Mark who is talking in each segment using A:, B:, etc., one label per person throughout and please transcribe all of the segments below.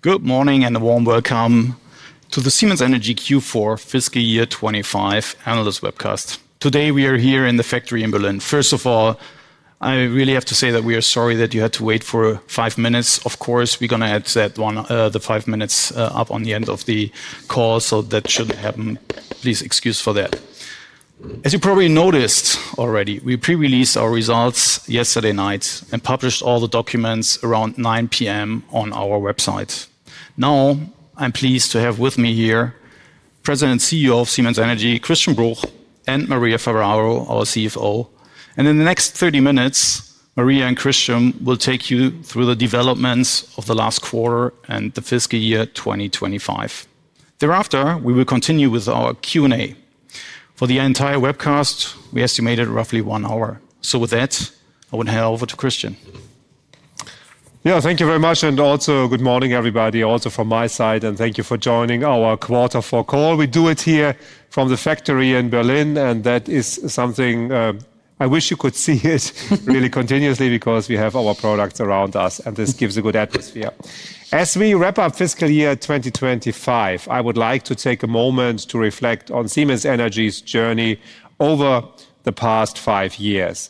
A: Good morning and a warm welcome to the Siemens Energy Q4 Fiscal Year 2025 Analyst Webcast. Today we are here in the factory in Berlin. First of all, I really have to say that we are sorry that you had to wait for five minutes. Of course, we are going to add that one, the five minutes, up on the end of the call, so that should not happen. Please excuse for that. As you probably noticed already, we pre-released our results yesterday night and published all the documents around 9:00 P.M. on our website. Now I am pleased to have with me here President and CEO of Siemens Energy, Christian Bruch, and Maria Ferraro, our CFO. In the next 30 minutes, Maria and Christian will take you through the developments of the last quarter and the fiscal year 2025. Thereafter, we will continue with our Q and A. For the entire webcast, we estimated roughly one hour. With that, I would hand over to Christian.
B: Yeah, thank you very much. Also, good morning, everybody, also from my side. Thank you for joining our quarter four call. We do it here from the factory in Berlin. That is something I wish you could see really continuously because we have our products around us, and this gives a good atmosphere. As we wrap up fiscal year 2025, I would like to take a moment to reflect on Siemens Energy's journey over the past five years.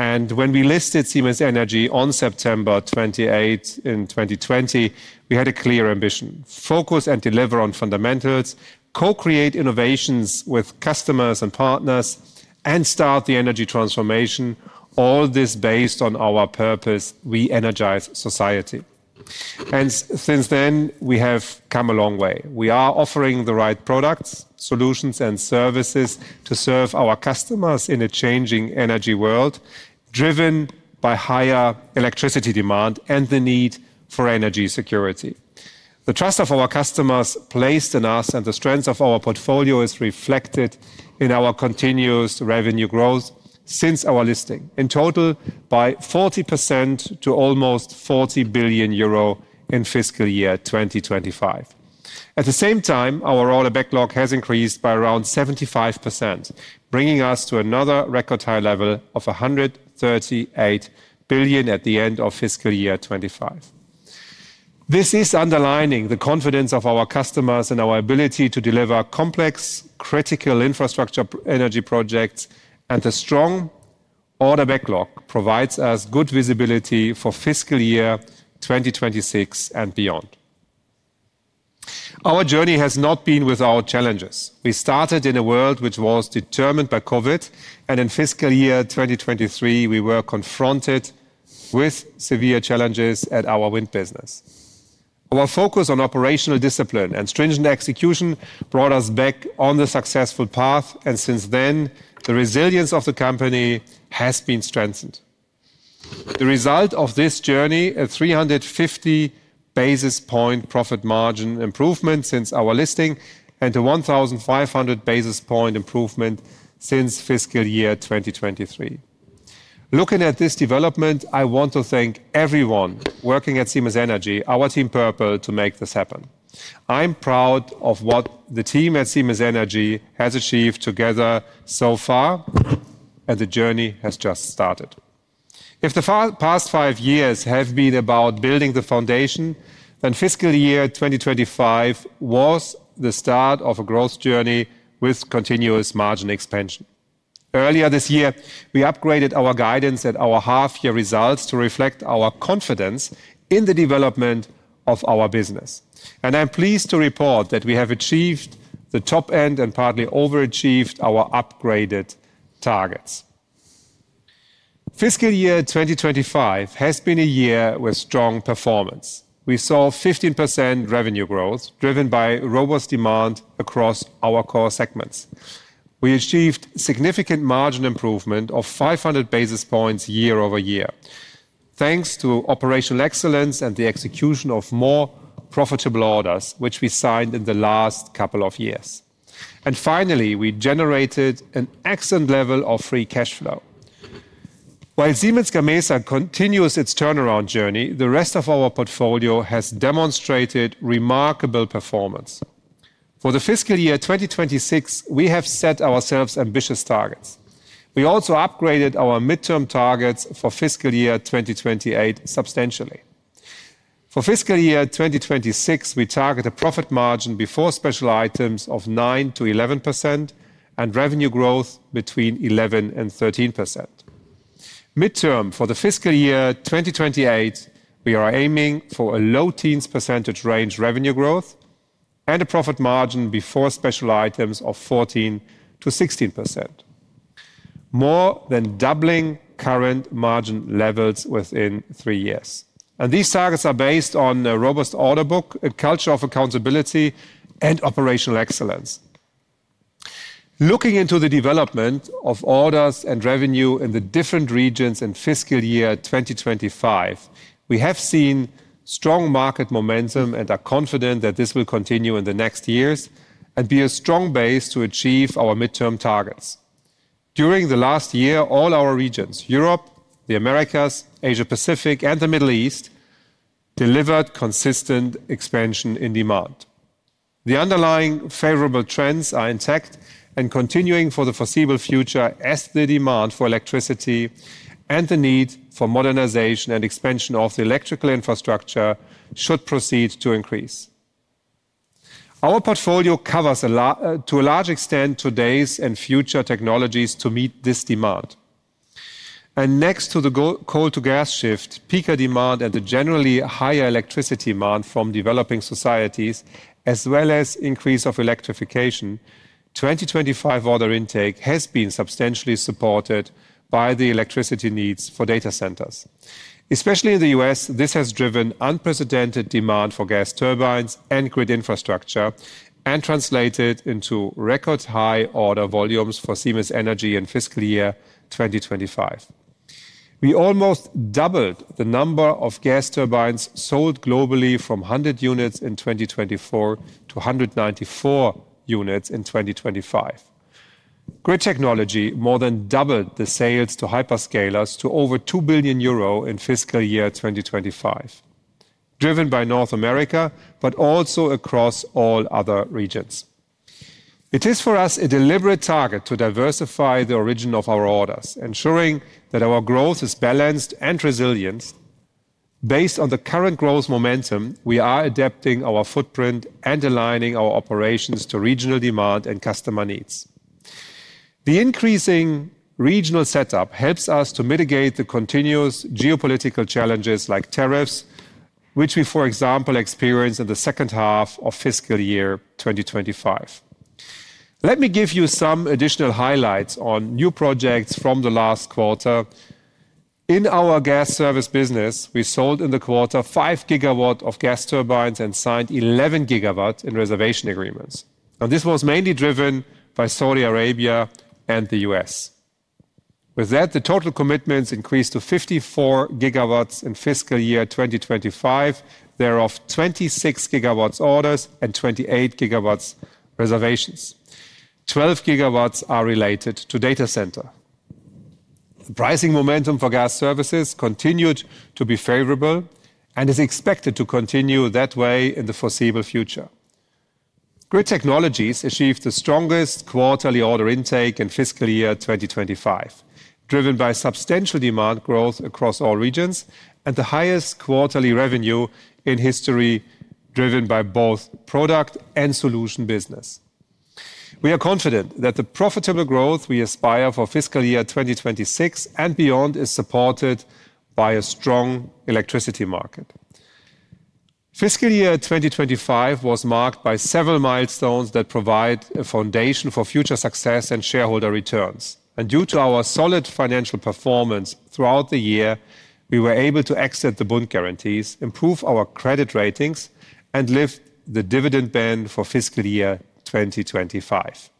B: When we listed Siemens Energy on September 28 in 2020, we had a clear ambition: focus and deliver on fundamentals, co-create innovations with customers and partners, and start the energy transformation, all this based on our purpose, re-energize society. Since then, we have come a long way. We are offering the right products, solutions, and services to serve our customers in a changing energy world driven by higher electricity demand and the need for energy security. The trust of our customers placed in us and the strength of our portfolio is reflected in our continuous revenue growth since our listing, in total by 40% to almost 40 billion euro in fiscal year 2025. At the same time, our order backlog has increased by around 75%, bringing us to another record high level of 138 billion at the end of fiscal year 2025. This is underlining the confidence of our customers and our ability to deliver complex, critical infrastructure energy projects, and the strong order backlog provides us good visibility for fiscal year 2026 and beyond. Our journey has not been without challenges. We started in a world which was determined by COVID, and in fiscal year 2023, we were confronted with severe challenges at our wind business. Our focus on operational discipline and stringent execution brought us back on the successful path, and since then, the resilience of the company has been strengthened. The result of this journey is a 350 basis point profit margin improvement since our listing and a 1,500 basis point improvement since fiscal year 2023. Looking at this development, I want to thank everyone working at Siemens Energy, our team purple to make this happen. I'm proud of what the team at Siemens Energy has achieved together so far, and the journey has just started. If the past five years have been about building the foundation, then fiscal year 2025 was the start of a growth journey with continuous margin expansion. Earlier this year, we upgraded our guidance at our half-year results to reflect our confidence in the development of our business. I am pleased to report that we have achieved the top end and partly overachieved our upgraded targets. Fiscal year 2025 has been a year with strong performance. We saw 15% revenue growth driven by robust demand across our core segments. We achieved significant margin improvement of 500 basis points year over year, thanks to operational excellence and the execution of more profitable orders, which we signed in the last couple of years. Finally, we generated an excellent level of free cash flow. While Siemens Gamesa continues its turnaround journey, the rest of our portfolio has demonstrated remarkable performance. For the fiscal year 2026, we have set ourselves ambitious targets. We also upgraded our midterm targets for fiscal year 2028 substantially. For fiscal year 2026, we target a profit margin before special items of 9 to 11% and revenue growth between 11% and 13%. Midterm for the fiscal year 2028, we are aiming for a low teens percentage range revenue growth and a profit margin before special items of 14 to 16%, more than doubling current margin levels within three years. These targets are based on a robust order book, a culture of accountability, and operational excellence. Looking into the development of orders and revenue in the different regions in fiscal year 2025, we have seen strong market momentum and are confident that this will continue in the next years and be a strong base to achieve our midterm targets. During the last year, all our regions, Europe, the Americas, Asia-Pacific, and the Middle East, delivered consistent expansion in demand. The underlying favorable trends are intact and continuing for the foreseeable future as the demand for electricity and the need for modernization and expansion of the electrical infrastructure should proceed to increase. Our portfolio covers to a large extent today's and future technologies to meet this demand. Next to the coal-to-gas shift, peaker demand and the generally higher electricity demand from developing societies, as well as increase of electrification, 2025 order intake has been substantially supported by the electricity needs for data centers. Especially in the U.S., this has driven unprecedented demand for gas turbines and grid infrastructure and translated into record high order volumes for Siemens Energy in fiscal year 2025. We almost doubled the number of gas turbines sold globally from 100 units in 2024 to 194 units in 2025. Grid technology more than doubled the sales to hyperscalers to over 2 billion euro in fiscal year 2025, driven by North America, but also across all other regions. It is for us a deliberate target to diversify the origin of our orders, ensuring that our growth is balanced and resilient. Based on the current growth momentum, we are adapting our footprint and aligning our operations to regional demand and customer needs. The increasing regional setup helps us to mitigate the continuous geopolitical challenges like tariffs, which we, for example, experienced in the second half of fiscal year 2025. Let me give you some additional highlights on new projects from the last quarter. In our gas service business, we sold in the quarter 5 gigawatts of gas turbines and signed 11 gigawatts in reservation agreements. This was mainly driven by Saudi Arabia and the U.S. With that, the total commitments increased to 54 gigawatts in fiscal year 2025, thereof 26 gigawatts orders and 28 gigawatts reservations. 12 gigawatts are related to data center. Pricing momentum for gas services continued to be favorable and is expected to continue that way in the foreseeable future. Grid technologies achieved the strongest quarterly order intake in fiscal year 2025, driven by substantial demand growth across all regions and the highest quarterly revenue in history driven by both product and solution business. We are confident that the profitable growth we aspire for fiscal year 2026 and beyond is supported by a strong electricity market. Fiscal year 2025 was marked by several milestones that provide a foundation for future success and shareholder returns. Due to our solid financial performance throughout the year, we were able to exit the bond guarantees, improve our credit ratings, and lift the dividend ban for fiscal year 2025.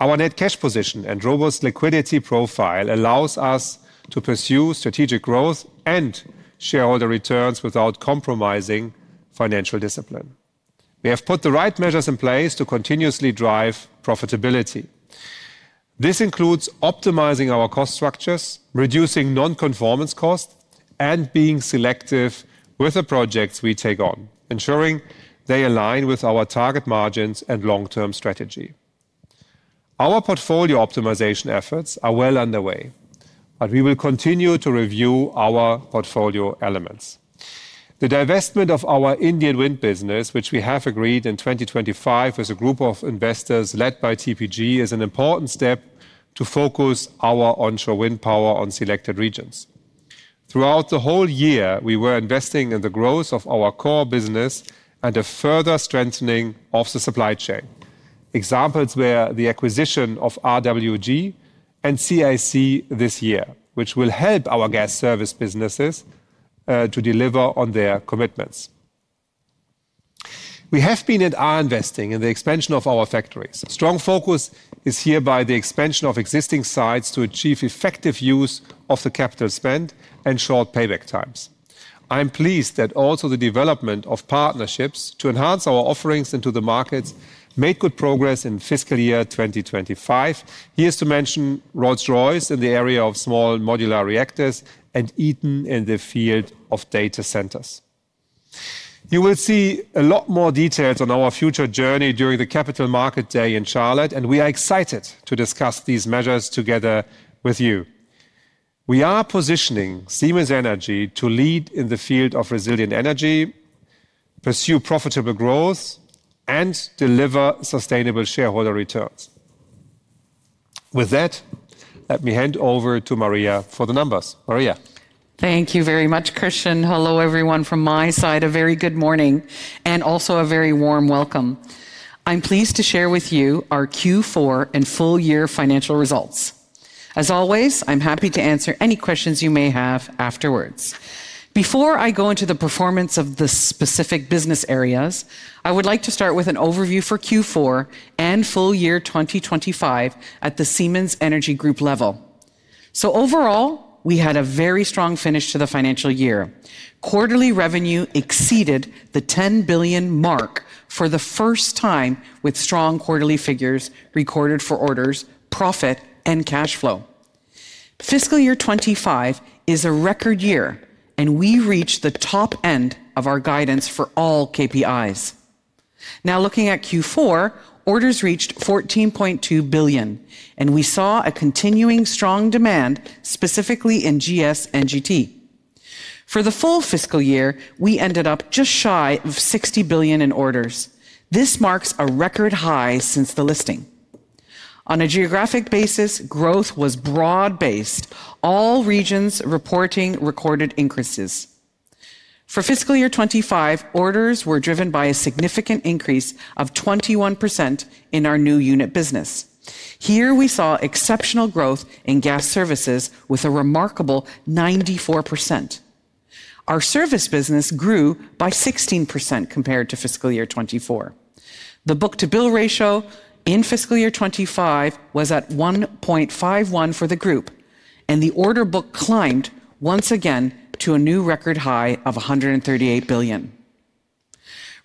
B: Our net cash position and robust liquidity profile allows us to pursue strategic growth and shareholder returns without compromising financial discipline. We have put the right measures in place to continuously drive profitability. This includes optimizing our cost structures, reducing non-conformance costs, and being selective with the projects we take on, ensuring they align with our target margins and long-term strategy. Our portfolio optimization efforts are well underway, but we will continue to review our portfolio elements. The divestment of our Indian wind business, which we have agreed in 2025 with a group of investors led by TPG, is an important step to focus our onshore wind power on selected regions. Throughout the whole year, we were investing in the growth of our core business and a further strengthening of the supply chain. Examples were the acquisition of RWG and CIC this year, which will help our gas service businesses to deliver on their commitments. We have been investing in the expansion of our factories. Strong focus is here by the expansion of existing sites to achieve effective use of the capital spent and short payback times. I'm pleased that also the development of partnerships to enhance our offerings into the markets made good progress in fiscal year 2025. Here's to mention Rolls-Royce in the area of small modular reactors and Eaton in the field of data centers. You will see a lot more details on our future journey during the Capital Market Day in Charlotte, and we are excited to discuss these measures together with you. We are positioning Siemens Energy to lead in the field of resilient energy, pursue profitable growth, and deliver sustainable shareholder returns. With that, let me hand over to Maria for the numbers. Maria.
C: Thank you very much, Christian. Hello, everyone. From my side, a very good morning and also a very warm welcome. I'm pleased to share with you our Q4 and full-year financial results. As always, I'm happy to answer any questions you may have afterwards. Before I go into the performance of the specific business areas, I would like to start with an overview for Q4 and full-year 2025 at the Siemens Energy Group level. Overall, we had a very strong finish to the financial year. Quarterly revenue exceeded the 10 billion mark for the first time with strong quarterly figures recorded for orders, profit, and cash flow. Fiscal year 2025 is a record year, and we reached the top end of our guidance for all KPIs. Now, looking at Q4, orders reached 14.2 billion, and we saw a continuing strong demand specifically in GS and GT. For the full fiscal year, we ended up just shy of 60 billion in orders. This marks a record high since the listing. On a geographic basis, growth was broad-based, all regions reporting recorded increases. For fiscal year 2025, orders were driven by a significant increase of 21% in our new unit business. Here, we saw exceptional growth in gas services with a remarkable 94%. Our service business grew by 16% compared to fiscal year 2024. The book-to-bill ratio in fiscal year 2025 was at 1.51 for the group, and the order book climbed once again to a new record high of 138 billion.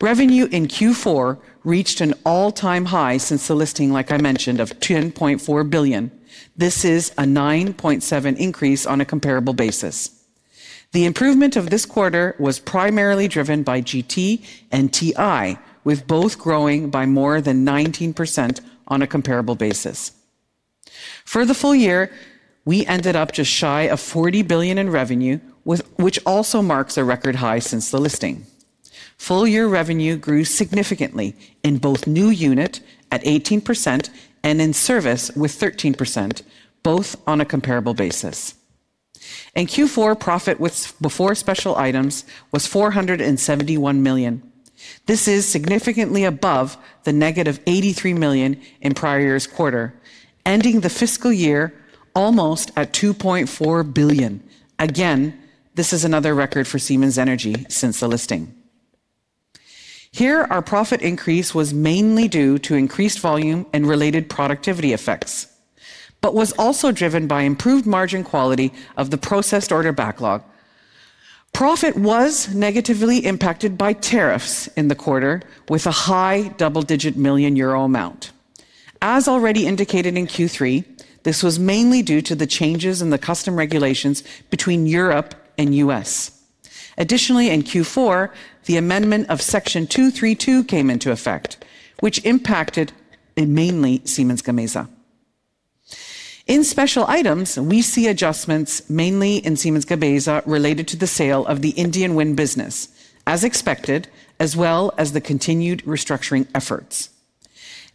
C: Revenue in Q4 reached an all-time high since the listing, like I mentioned, of 10.4 billion. This is a 9.7% increase on a comparable basis. The improvement of this quarter was primarily driven by GT and TI, with both growing by more than 19% on a comparable basis. For the full year, we ended up just shy of 40 billion in revenue, which also marks a record high since the listing. Full-year revenue grew significantly in both new unit at 18% and in service with 13%, both on a comparable basis. In Q4, profit before special items was 471 million. This is significantly above the negative 83 million in prior year's quarter, ending the fiscal year almost at 2.4 billion. Again, this is another record for Siemens Energy since the listing. Here, our profit increase was mainly due to increased volume and related productivity effects, but was also driven by improved margin quality of the processed order backlog. Profit was negatively impacted by tariffs in the quarter, with a high double-digit million euro amount. As already indicated in Q3, this was mainly due to the changes in the custom regulations between Europe and the U.S. Additionally, in Q4, the amendment of Section 232 came into effect, which impacted mainly Siemens Gamesa. In special items, we see adjustments mainly in Siemens Gamesa related to the sale of the Indian wind business, as expected, as well as the continued restructuring efforts.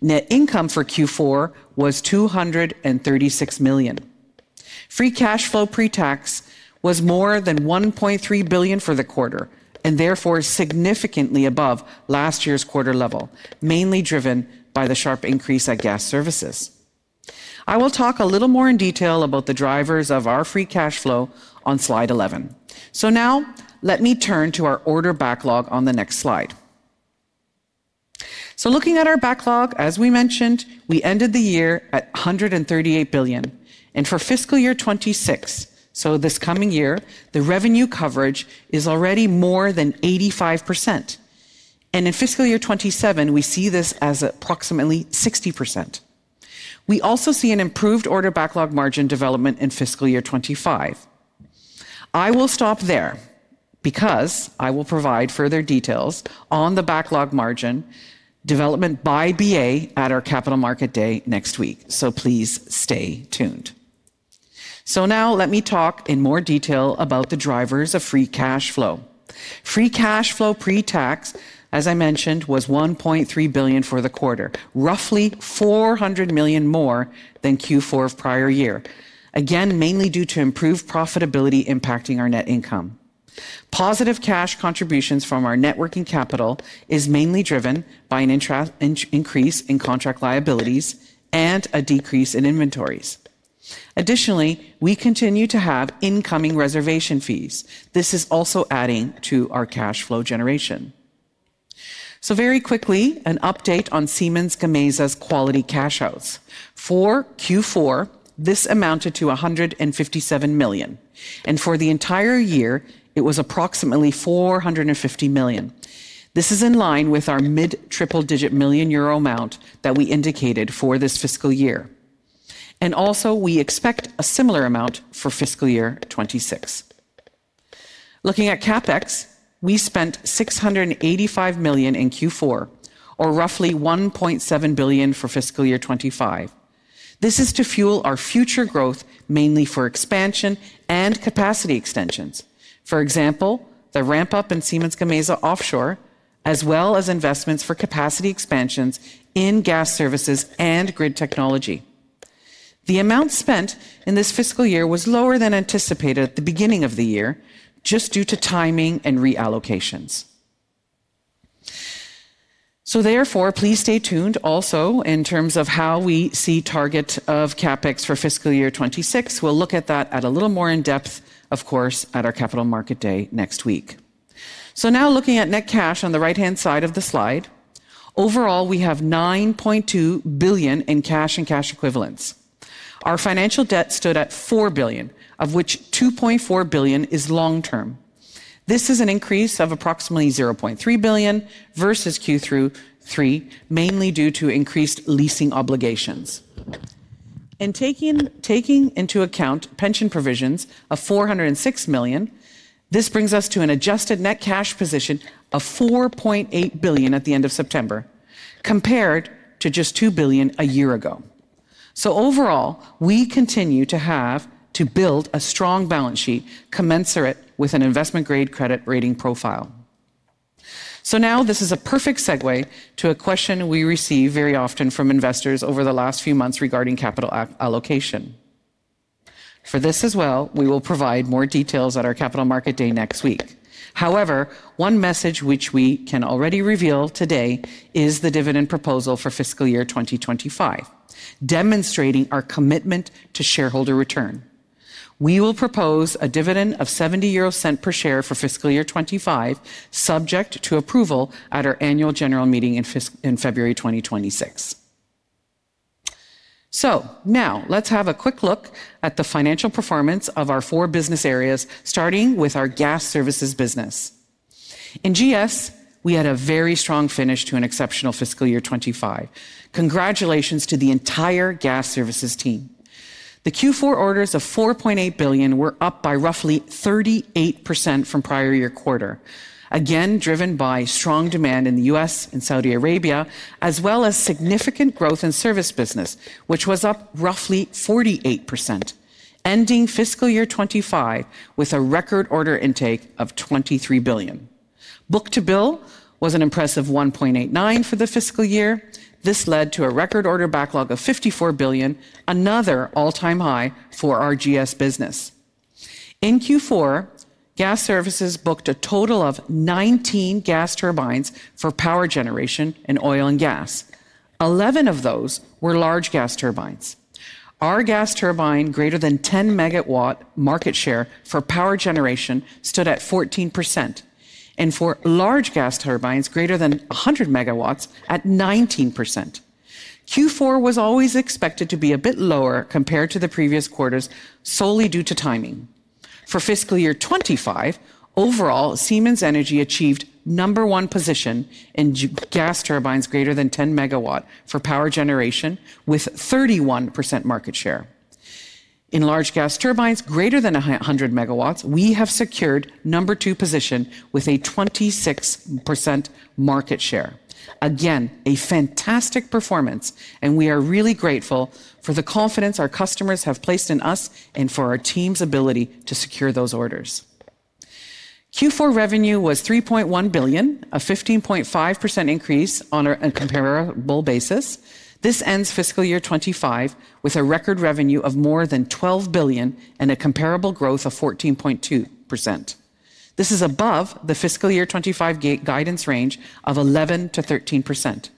C: Net income for Q4 was 236 million. Free cash flow pre-tax was more than 1.3 billion for the quarter and therefore significantly above last year's quarter level, mainly driven by the sharp increase at gas services. I will talk a little more in detail about the drivers of our free cash flow on slide 11. Now, let me turn to our order backlog on the next slide. Looking at our backlog, as we mentioned, we ended the year at 138 billion. For fiscal year 2026, this coming year, the revenue coverage is already more than 85%. In fiscal year 2027, we see this as approximately 60%. We also see an improved order backlog margin development in fiscal year 2025. I will stop there because I will provide further details on the backlog margin development by BA at our Capital Market Day next week. Please stay tuned. Now, let me talk in more detail about the drivers of free cash flow. Free cash flow pre-tax, as I mentioned, was 1.3 billion for the quarter, roughly 400 million more than Q4 of the prior year, again, mainly due to improved profitability impacting our net income. Positive cash contributions from our net working capital are mainly driven by an increase in contract liabilities and a decrease in inventories. Additionally, we continue to have incoming reservation fees. This is also adding to our cash flow generation. Very quickly, an update on Siemens Gamesa's quality cash outs. For Q4, this amounted to 157 million. For the entire year, it was approximately 450 million. This is in line with our mid-triple-digit million euro amount that we indicated for this fiscal year. We expect a similar amount for fiscal year 2026. Looking at CapEx, we spent 685 million in Q4, or roughly 1.7 billion for fiscal year 2025. This is to fuel our future growth mainly for expansion and capacity extensions. For example, the ramp-up in Siemens Gamesa offshore, as well as investments for capacity expansions in gas services and grid technology. The amount spent in this fiscal year was lower than anticipated at the beginning of the year, just due to timing and reallocations. Therefore, please stay tuned also in terms of how we see the target of CapEx for fiscal year 2026. We'll look at that a little more in depth, of course, at our Capital Market Day next week. Now, looking at net cash on the right-hand side of the slide, overall, we have 9.2 billion in cash and cash equivalents. Our financial debt stood at 4 billion, of which 2.4 billion is long-term. This is an increase of approximately 0.3 billion versus Q3, mainly due to increased leasing obligations. Taking into account pension provisions of 406 million, this brings us to an adjusted net cash position of 4.8 billion at the end of September, compared to just 2 billion a year ago. Overall, we continue to have to build a strong balance sheet commensurate with an investment-grade credit rating profile. Now, this is a perfect segue to a question we receive very often from investors over the last few months regarding capital allocation. For this as well, we will provide more details at our Capital Market Day next week. However, one message which we can already reveal today is the dividend proposal for fiscal year 2025, demonstrating our commitment to shareholder return. We will propose a dividend of 0.70 per share for fiscal year 2025, subject to approval at our annual general meeting in February 2026. Now, let's have a quick look at the financial performance of our four business areas, starting with our Gas Services business. In GS, we had a very strong finish to an exceptional fiscal year 2025. Congratulations to the entire gas services team. The Q4 orders of 4.8 billion were up by roughly 38% from prior year quarter, again driven by strong demand in the U.S. and Saudi Arabia, as well as significant growth in service business, which was up roughly 48%, ending fiscal year 2025 with a record order intake of 23 billion. Book-to-bill was an impressive 1.89 for the fiscal year. This led to a record order backlog of 54 billion, another all-time high for our GS business. In Q4, Gas Services booked a total of 19 gas turbines for power generation and oil and gas. Eleven of those were large gas turbines. Our gas turbine, greater than 10 megawatt market share for power generation, stood at 14%. And for large gas turbines, greater than 100 megawatts, at 19%. Q4 was always expected to be a bit lower compared to the previous quarters, solely due to timing. For fiscal year 2025, overall, Siemens Energy achieved number one position in gas turbines greater than 10 megawatt for power generation with 31% market share. In large gas turbines greater than 100 megawatts, we have secured number two position with a 26% market share. Again, a fantastic performance, and we are really grateful for the confidence our customers have placed in us and for our team's ability to secure those orders. Q4 revenue was 3.1 billion, a 15.5% increase on a comparable basis. This ends fiscal year 2025 with a record revenue of more than 12 billion and a comparable growth of 14.2%. This is above the fiscal year 2025 guidance range of 11% to 13%.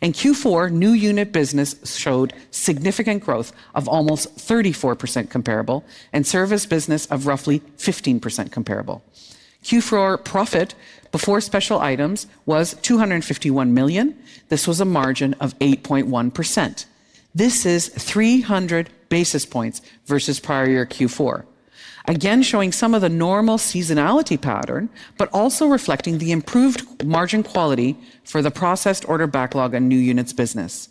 C: In Q4, new unit business showed significant growth of almost 34% comparable and service business of roughly 15% comparable. Q4 profit before special items was 251 million. This was a margin of 8.1%. This is 300 basis points versus prior year Q4, again showing some of the normal seasonality pattern, but also reflecting the improved margin quality for the processed order backlog and new units business.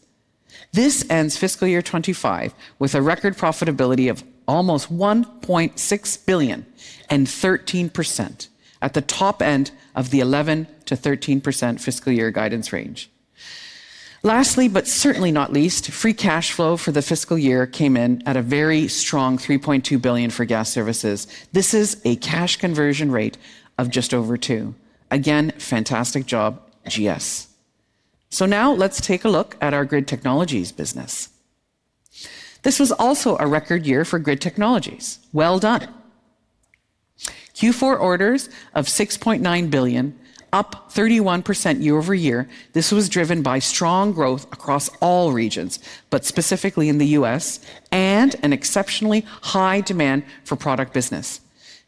C: This ends fiscal year 2025 with a record profitability of almost 1.6 billion and 13% at the top end of the 11% to 13% fiscal year guidance range. Lastly, but certainly not least, free cash flow for the fiscal year came in at a very strong 3.2 billion for Gas Services. This is a cash conversion rate of just over 2. Again, fantastic job, GS. Now, let's take a look at our Grid Technologies Business. This was also a record year for Grid Technologies. Q4 orders of 6.9 billion, up 31% year over year. This was driven by strong growth across all regions, but specifically in the U.S., and an exceptionally high demand for product business.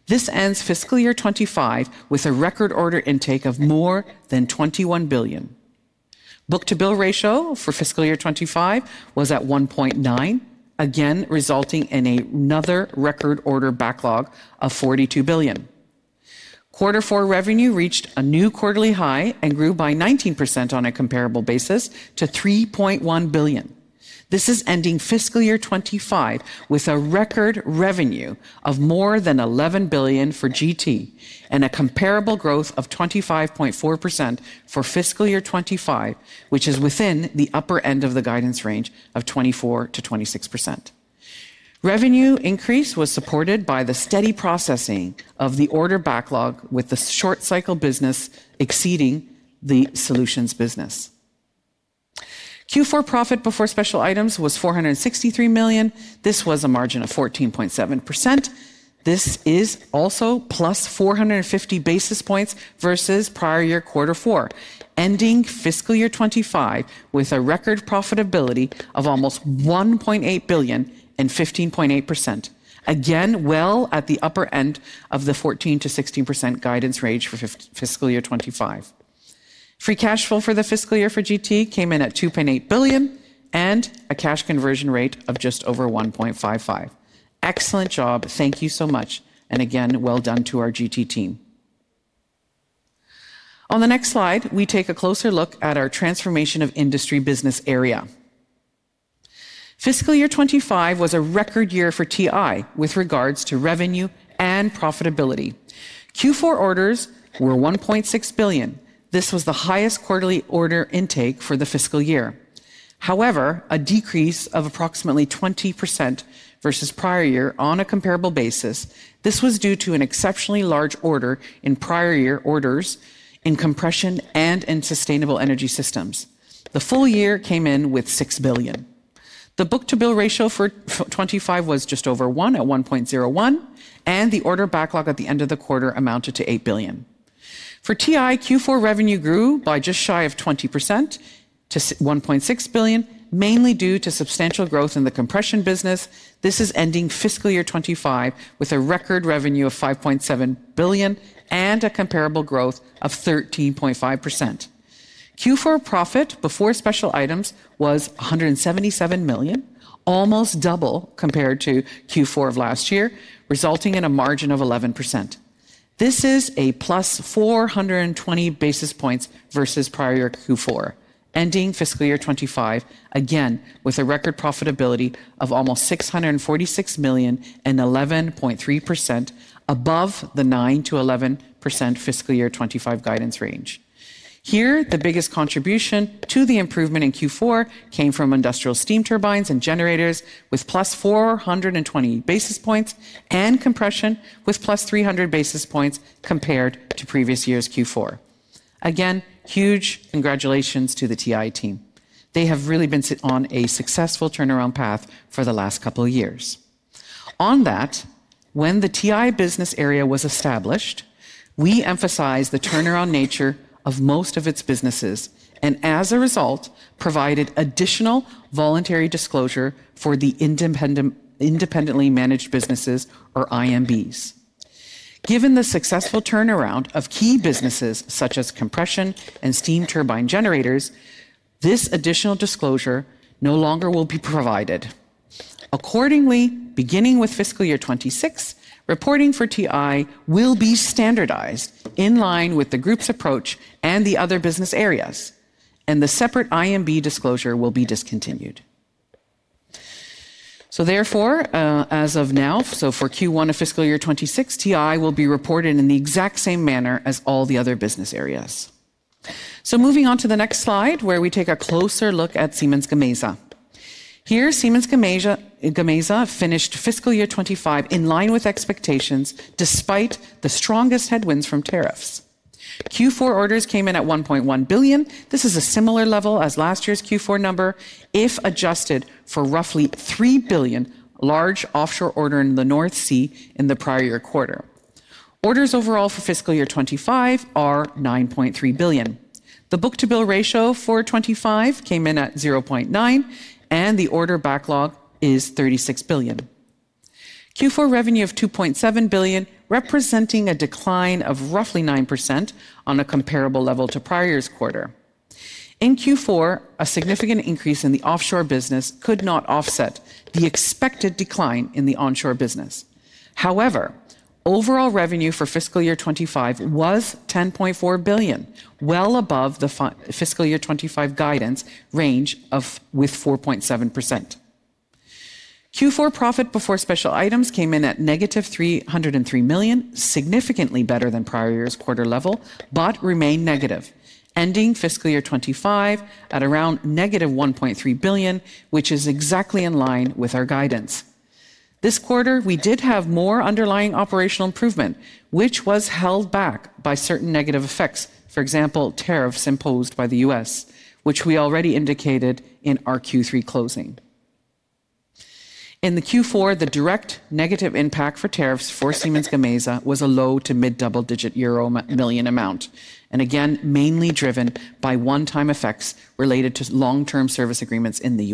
C: This ends fiscal year 2025 with a record order intake of more than 21 billion. Book-to-bill ratio for fiscal year 2025 was at 1.9, again resulting in another record order backlog of 42 billion. Quarter four revenue reached a new quarterly high and grew by 19% on a comparable basis to 3.1 billion. This is ending fiscal year 2025 with a record revenue of more than 11 billion for GT and a comparable growth of 25.4% for fiscal year 2025, which is within the upper end of the guidance range of 24% to 26%. Revenue increase was supported by the steady processing of the order backlog, with the short-cycle business exceeding the solutions business. Q4 profit before special items was 463 million. This was a margin of 14.7%. This is also plus 450 basis points versus prior year quarter four, ending fiscal year 2025 with a record profitability of almost 1.8 billion and 15.8%. Again, at the upper end of the 14% to 16% guidance range for fiscal year 2025. Free cash flow for the fiscal year for GT came in at 2.8 billion and a cash conversion rate of just over 1.55. Excellent job. Thank you so much. Again, well done to our GT team. On the next slide, we take a closer look at our Transformation of Industry Business Area. Fiscal year 2025 was a record year for TI with regards to revenue and profitability. Q4 orders were 1.6 billion. This was the highest quarterly order intake for the fiscal year. However, a decrease of approximately 20% versus prior year on a comparable basis. This was due to an exceptionally large order in prior year orders in compression and in sustainable energy systems. The full year came in with 6 billion. The book-to-bill ratio for 2025 was just over 1 at 1.01, and the order backlog at the end of the quarter amounted to 8 billion. For TI, Q4 revenue grew by just shy of 20% to 1.6 billion, mainly due to substantial growth in the compression business. This is ending fiscal year 2025 with a record revenue of 5.7 billion and a comparable growth of 13.5%. Q4 profit before special items was 177 million, almost double compared to Q4 of last year, resulting in a margin of 11%. This is a plus 420 basis points versus prior year Q4, ending fiscal year 2025 again with a record profitability of almost 646 million and 11.3% above the 9% to 11% fiscal year 2025 guidance range. Here, the biggest contribution to the improvement in Q4 came from industrial steam turbines and generators with plus 420 basis points and compression with plus 300 basis points compared to previous year's Q4. Again, huge congratulations to the TI team. They have really been on a successful turnaround path for the last couple of years. On that, when the TI business area was established, we emphasized the turnaround nature of most of its businesses and, as a result, provided additional voluntary disclosure for the independently managed businesses, or IMBs. Given the successful turnaround of key businesses such as compression and steam turbine generators, this additional disclosure no longer will be provided. Accordingly, beginning with fiscal year 2026, reporting for TI will be standardized in line with the group's approach and the other business areas, and the separate IMB disclosure will be discontinued. Therefore, as of now, for Q1 of fiscal year 2026, TI will be reported in the exact same manner as all the other business areas. Moving on to the next slide, where we take a closer look at Siemens Gamesa. Here, Siemens Gamesa finished fiscal year 2025 in line with expectations despite the strongest headwinds from tariffs. Q4 orders came in at 1.1 billion. This is a similar level as last year's Q4 number, if adjusted for roughly 3 billion large offshore order in the North Sea in the prior year quarter. Orders overall for fiscal year 2025 are 9.3 billion. The book-to-bill ratio for 2025 came in at 0.9, and the order backlog is 36 billion. Q4 revenue of 2.7 billion, representing a decline of roughly 9% on a comparable level to prior year's quarter. In Q4, a significant increase in the offshore business could not offset the expected decline in the onshore business. However, overall revenue for fiscal year 2025 was 10.4 billion, well above the fiscal year 2025 guidance range of 4.7%. Q4 profit before special items came in at negative 303 million, significantly better than prior year's quarter level, but remained negative, ending fiscal year 2025 at around negative 1.3 billion, which is exactly in line with our guidance. This quarter, we did have more underlying operational improvement, which was held back by certain negative effects, for example, tariffs imposed by the U.S., which we already indicated in our Q3 closing. In the Q4, the direct negative impact for tariffs for Siemens Gamesa was a low to mid double-digit euro million amount, and again, mainly driven by one-time effects related to long-term service agreements in the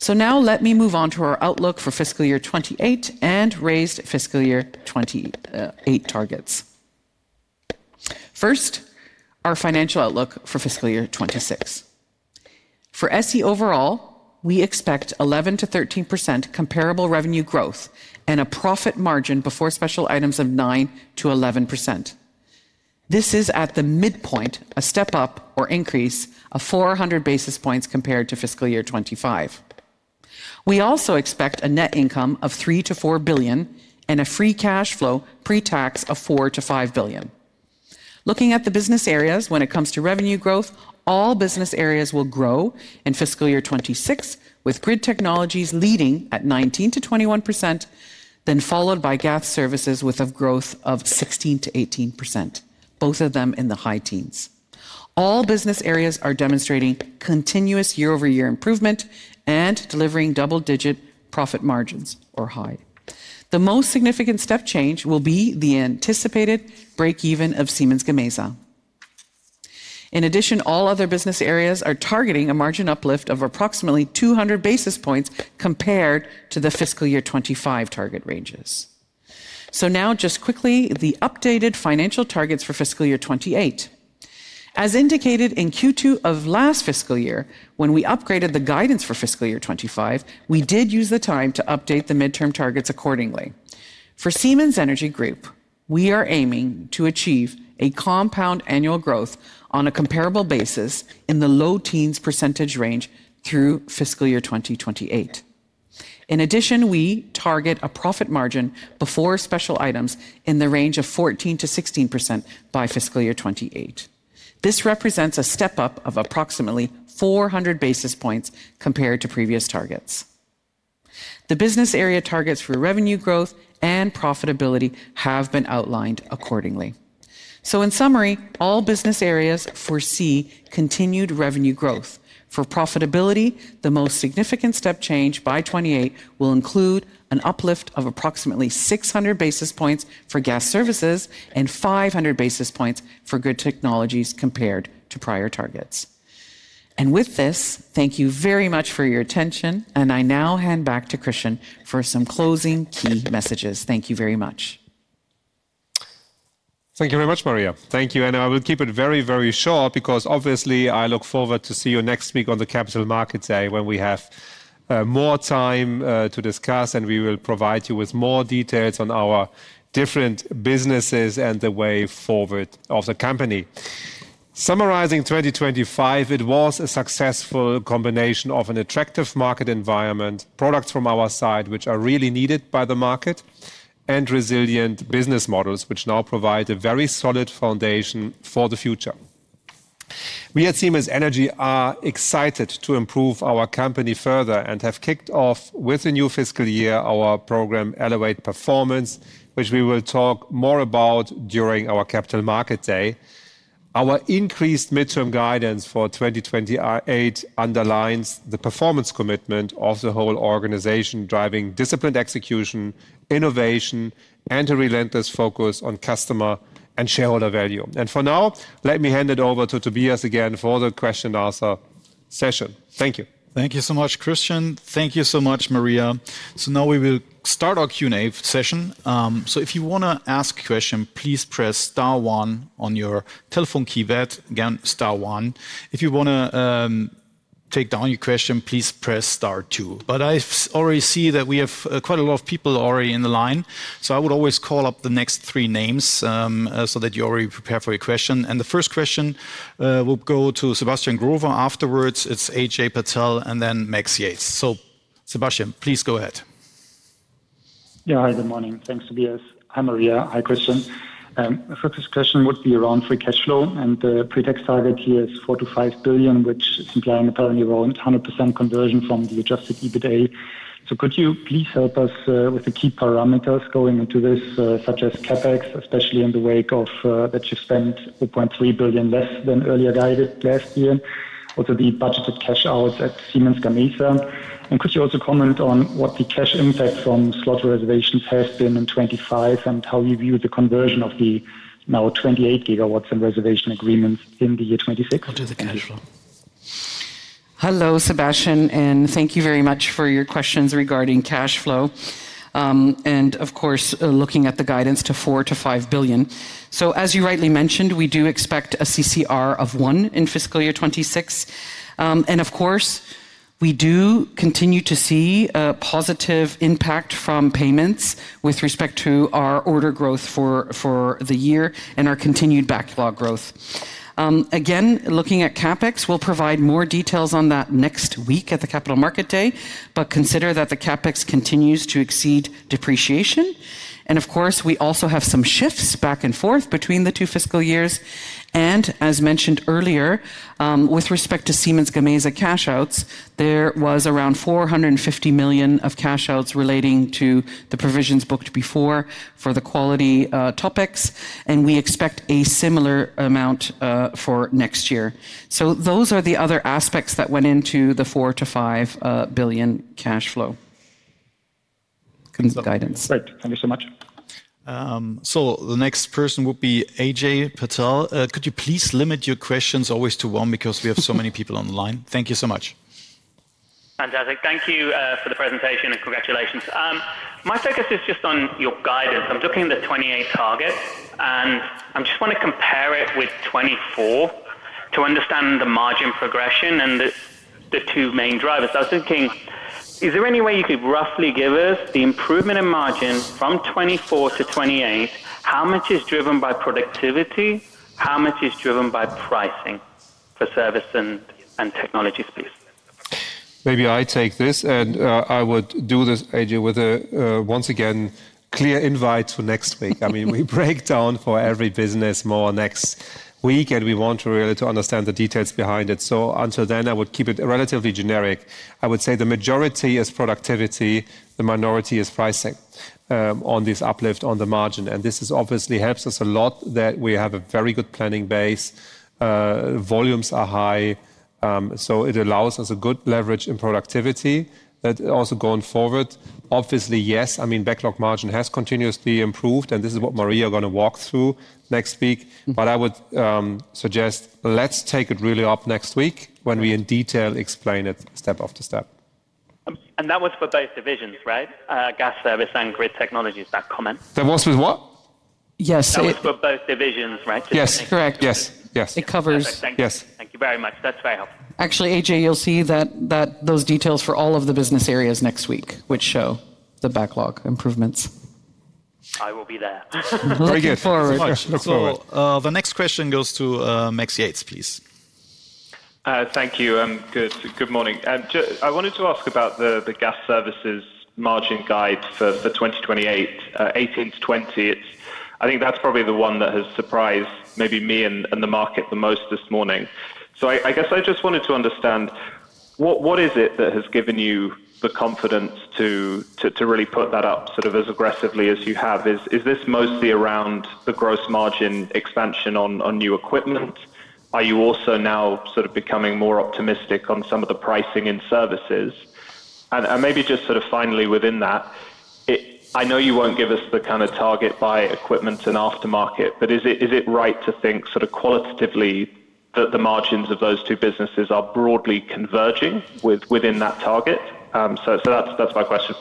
C: U.S. Now, let me move on to our outlook for fiscal year 2028 and raised fiscal year 2028 targets. First, our financial outlook for fiscal year 2026. For SE overall, we expect 11% to 13% comparable revenue growth and a profit margin before special items of 9% to 11%. This is, at the midpoint, a step up or increase of 400 basis points compared to fiscal year 2025. We also expect a net income of 3 billion to 4 billion and a free cash flow pre-tax of 4 billion to 5 billion. Looking at the business areas, when it comes to revenue growth, all business areas will grow in fiscal year 2026, with grid technologies leading at 19% to 21%, then followed by gas services with a growth of 16% to 18%, both of them in the high teens. All business areas are demonstrating continuous year-over-year improvement and delivering double-digit profit margins, or high. The most significant step change will be the anticipated break-even of Siemens Gamesa. In addition, all other business areas are targeting a margin uplift of approximately 200 basis points compared to the fiscal year 2025 target ranges. Now, just quickly, the updated financial targets for fiscal year 2028. As indicated in Q2 of last fiscal year, when we upgraded the guidance for fiscal year 2025, we did use the time to update the midterm targets accordingly. For Siemens Energy Group, we are aiming to achieve a compound annual growth on a comparable basis in the low teens % range through fiscal year 2028. In addition, we target a profit margin before special items in the range of 14% to 16% by fiscal year 2028. This represents a step up of approximately 400 basis points compared to previous targets. The business area targets for revenue growth and profitability have been outlined accordingly. In summary, all business areas foresee continued revenue growth. For profitability, the most significant step change by 2028 will include an uplift of approximately 600 basis points for gas services and 500 basis points for grid technologies compared to prior targets. With this, thank you very much for your attention, and I now hand back to Christian for some closing key messages. Thank you very much.
B: Thank you very much, Maria. Thank you. I will keep it very, very short because obviously, I look forward to see you next week on the Capital Markets Day when we have more time to discuss, and we will provide you with more details on our different businesses and the way forward of the company. Summarizing 2025, it was a successful combination of an attractive market environment, products from our side, which are really needed by the market, and resilient business models, which now provide a very solid foundation for the future. We at Siemens Energy are excited to improve our company further and have kicked off with a new fiscal year, our program, Elevate Performance, which we will talk more about during our Capital Markets Day. Our increased midterm guidance for 2028 underlines the performance commitment of the whole organization, driving disciplined execution, innovation, and a relentless focus on customer and shareholder value. For now, let me hand it over to Tobias again for the question-and-answer session. Thank you.
A: Thank you so much, Christian. Thank you so much, Maria. Now we will start our Q and A session. If you want to ask a question, please press star one on your telephone keypad. Again, star one. If you want to take down your question, please press Star 2. I already see that we have quite a lot of people already in the line, so I will always call up the next three names so that you're already prepared for your question. The first question will go to Sebastian Growe, afterwards it's Ajay Patel and then Max Yates. Sebastian, please go ahead.
D: Yeah, hi, good morning. Thanks, Tobias. Hi, Maria. Hi, Christian. The focus question would be around free cash flow, and the pre-tax target here is 4 billion to 5 billion, which is implying a parallel 100% conversion from the adjusted EBITDA. Could you please help us with the key parameters going into this, such as CapEx, especially in the wake of that you spent 4.3 billion less than earlier guided last year, also the budgeted cash out at Siemens Gamesa? Could you also comment on what the cash impact from slot reservations has been in 2025 and how you view the conversion of the now 28 gigawatts in reservation agreements in the year 2026?
C: Hello, Sebastian, and thank you very much for your questions regarding cash flow. Of course, looking at the guidance to 4 billion to 5 billion. As you rightly mentioned, we do expect a CCR of 1 in fiscal year 2026. Of course, we do continue to see a positive impact from payments with respect to our order growth for the year and our continued backlog growth. Again, looking at CapEx, we will provide more details on that next week at the Capital Market Day, but consider that the CapEx continues to exceed depreciation. Of course, we also have some shifts back and forth between the two fiscal years. As mentioned earlier, with respect to Siemens Gamesa cash outs, there was around 450 million of cash outs relating to the provisions booked before for the quality topics, and we expect a similar amount for next year. Those are the other aspects that went into the 4 billion to 5 billion cash flow guidance.
D: Great. Thank you so much.
A: The next person would be Ajay Patel. Could you please limit your questions always to one because we have so many people on the line? Thank you so much.
E: Fantastic. Thank you for the presentation and congratulations. My focus is just on your guidance. I'm looking at the 2028 target, and I just want to compare it with 2024 to understand the margin progression and the two main drivers. I was thinking, is there any way you could roughly give us the improvement in margin from 2024 to 2028? How much is driven by productivity? How much is driven by pricing for service and technology space?
B: Maybe I take this, and I would do this, AJ, with a, once again, clear invite for next week. I mean, we break down for every business more next week, and we want to really understand the details behind it. Until then, I would keep it relatively generic. I would say the majority is productivity, the minority is pricing on this uplift on the margin. This obviously helps us a lot that we have a very good planning base. Volumes are high, so it allows us a good leverage in productivity. That also going forward, obviously, yes. I mean, backlog margin has continuously improved, and this is what Maria are going to walk through next week. I would suggest let's take it really up next week when we in detail explain it step after step.
E: That was for both divisions, right? Gas Service and Grid Technologies, that comment.
B: That was with what?
C: Yes.
E: That was for both divisions, right?
C: Yes, correct.
B: Yes, yes.
E: It covers.
B: Yes.
E: Thank you very much. That's very helpful.
C: Actually, AJ, you'll see those details for all of the business areas next week, which show the backlog improvements.
E: I will be there.
C: Looking forward.
B: Very good.
A: The next question goes to Max Yates, please.
F: Thank you. Good morning. I wanted to ask about the Gas Services margin guide for 2028, 18 to 20%. I think that's probably the one that has surprised maybe me and the market the most this morning. I guess I just wanted to understand what is it that has given you the confidence to really put that up sort of as aggressively as you have? Is this mostly around the gross margin expansion on new equipment? Are you also now sort of becoming more optimistic on some of the pricing in services? Maybe just sort of finally within that, I know you won't give us the kind of target by equipment and aftermarket, but is it right to think sort of qualitatively that the margins of those two businesses are broadly converging within that target? That's my question.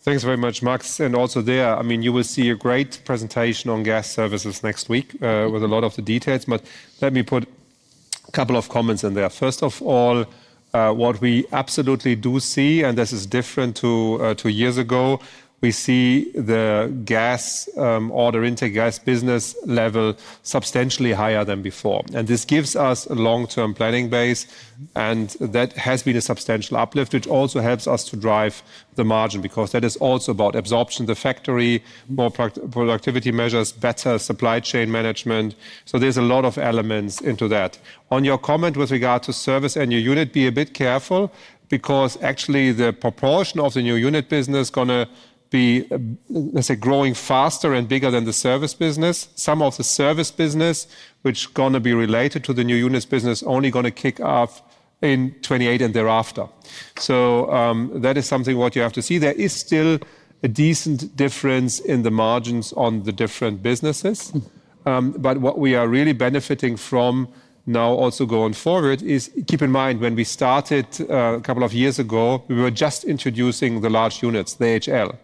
B: Thanks very much, Max. Also there, I mean, you will see a great presentation on Gas Services next week with a lot of the details, but let me put a couple of comments in there. First of all, what we absolutely do see, and this is different to years ago, we see the gas order intake gas business level substantially higher than before. This gives us a long-term planning base, and that has been a substantial uplift, which also helps us to drive the margin because that is also about absorption of the factory, more productivity measures, better supply chain management. There are a lot of elements into that. On your comment with regard to service and new unit, be a bit careful because actually the proportion of the new unit business is going to be, let's say, growing faster and bigger than the service business. Some of the service business, which is going to be related to the new unit business, is only going to kick off in 2028 and thereafter. That is something you have to see. There is still a decent difference in the margins on the different businesses, but what we are really benefiting from now also going forward is, keep in mind, when we started a couple of years ago, we were just introducing the large units, the HL.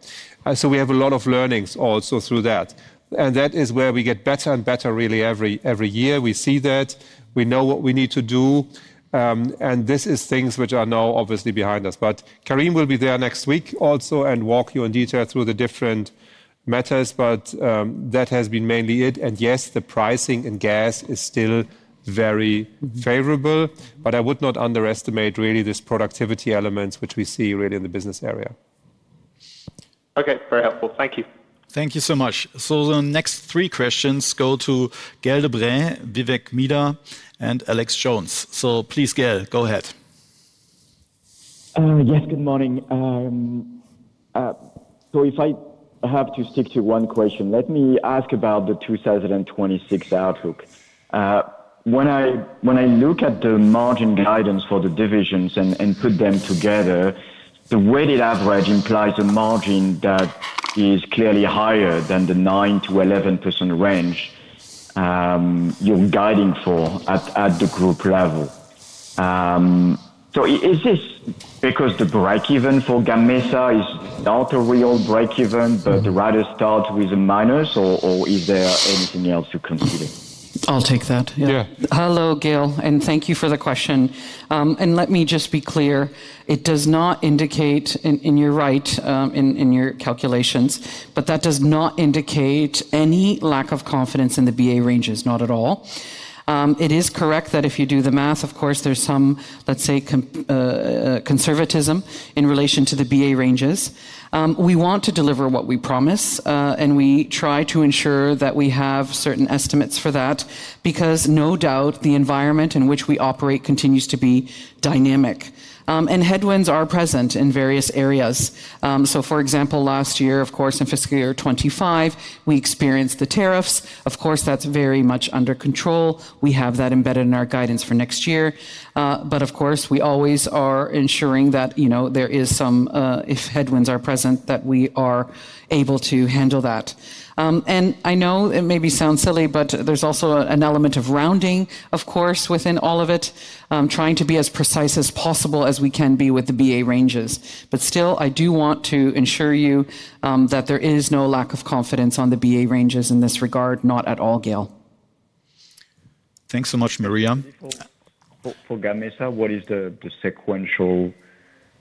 B: We have a lot of learnings also through that. That is where we get better and better really every year. We see that. We know what we need to do. These are things which are now obviously behind us. Karim will be there next week also and walk you in detail through the different matters, but that has been mainly it. Yes, the pricing in gas is still very favorable, but I would not underestimate really this productivity element which we see really in the business area.
F: Okay, very helpful. Thank you.
A: Thank you so much. The next three questions go to Gael de-Bray, Vivek Midha, and Alexander Jones. Please, Gael, go ahead.
G: Yes, good morning. If I have to stick to one question, let me ask about the 2026 outlook. When I look at the margin guidance for the divisions and put them together, the weighted average implies a margin that is clearly higher than the 9% to 11% range you're guiding for at the group level. Is this because the break-even for Gamesa is not a real break-even, but rather starts with a minus, or is there anything else to consider?
C: I'll take that.
B: Yeah.
C: Hello, Gael, and thank you for the question. Let me just be clear. It does not indicate, and you're right in your calculations, but that does not indicate any lack of confidence in the BA ranges, not at all. It is correct that if you do the math, of course, there's some, let's say, conservatism in relation to the BA ranges. We want to deliver what we promise, and we try to ensure that we have certain estimates for that because no doubt the environment in which we operate continues to be dynamic. Headwinds are present in various areas. For example, last year, in fiscal year 2025, we experienced the tariffs. That's very much under control. We have that embedded in our guidance for next year. Of course, we always are ensuring that there is some, if headwinds are present, that we are able to handle that. I know it maybe sounds silly, but there's also an element of rounding, of course, within all of it, trying to be as precise as possible as we can be with the BA ranges. Still, I do want to ensure you that there is no lack of confidence on the BA ranges in this regard, not at all, Gael.
B: Thanks so much, Maria.
G: For Gamesa, what is the sequential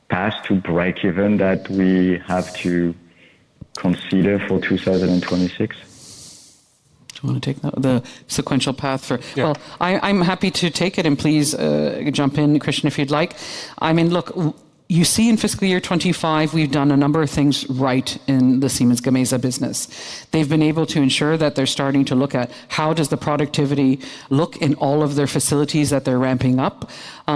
G: path to break-even that we have to consider for 2026?
C: Do you want to take that? The sequential path for...
B: Yeah.
C: I'm happy to take it, and please jump in, Christian, if you'd like. I mean, look, you see in fiscal year 2025, we've done a number of things right in the Siemens Gamesa business. They've been able to ensure that they're starting to look at how does the productivity look in all of their facilities that they're ramping up.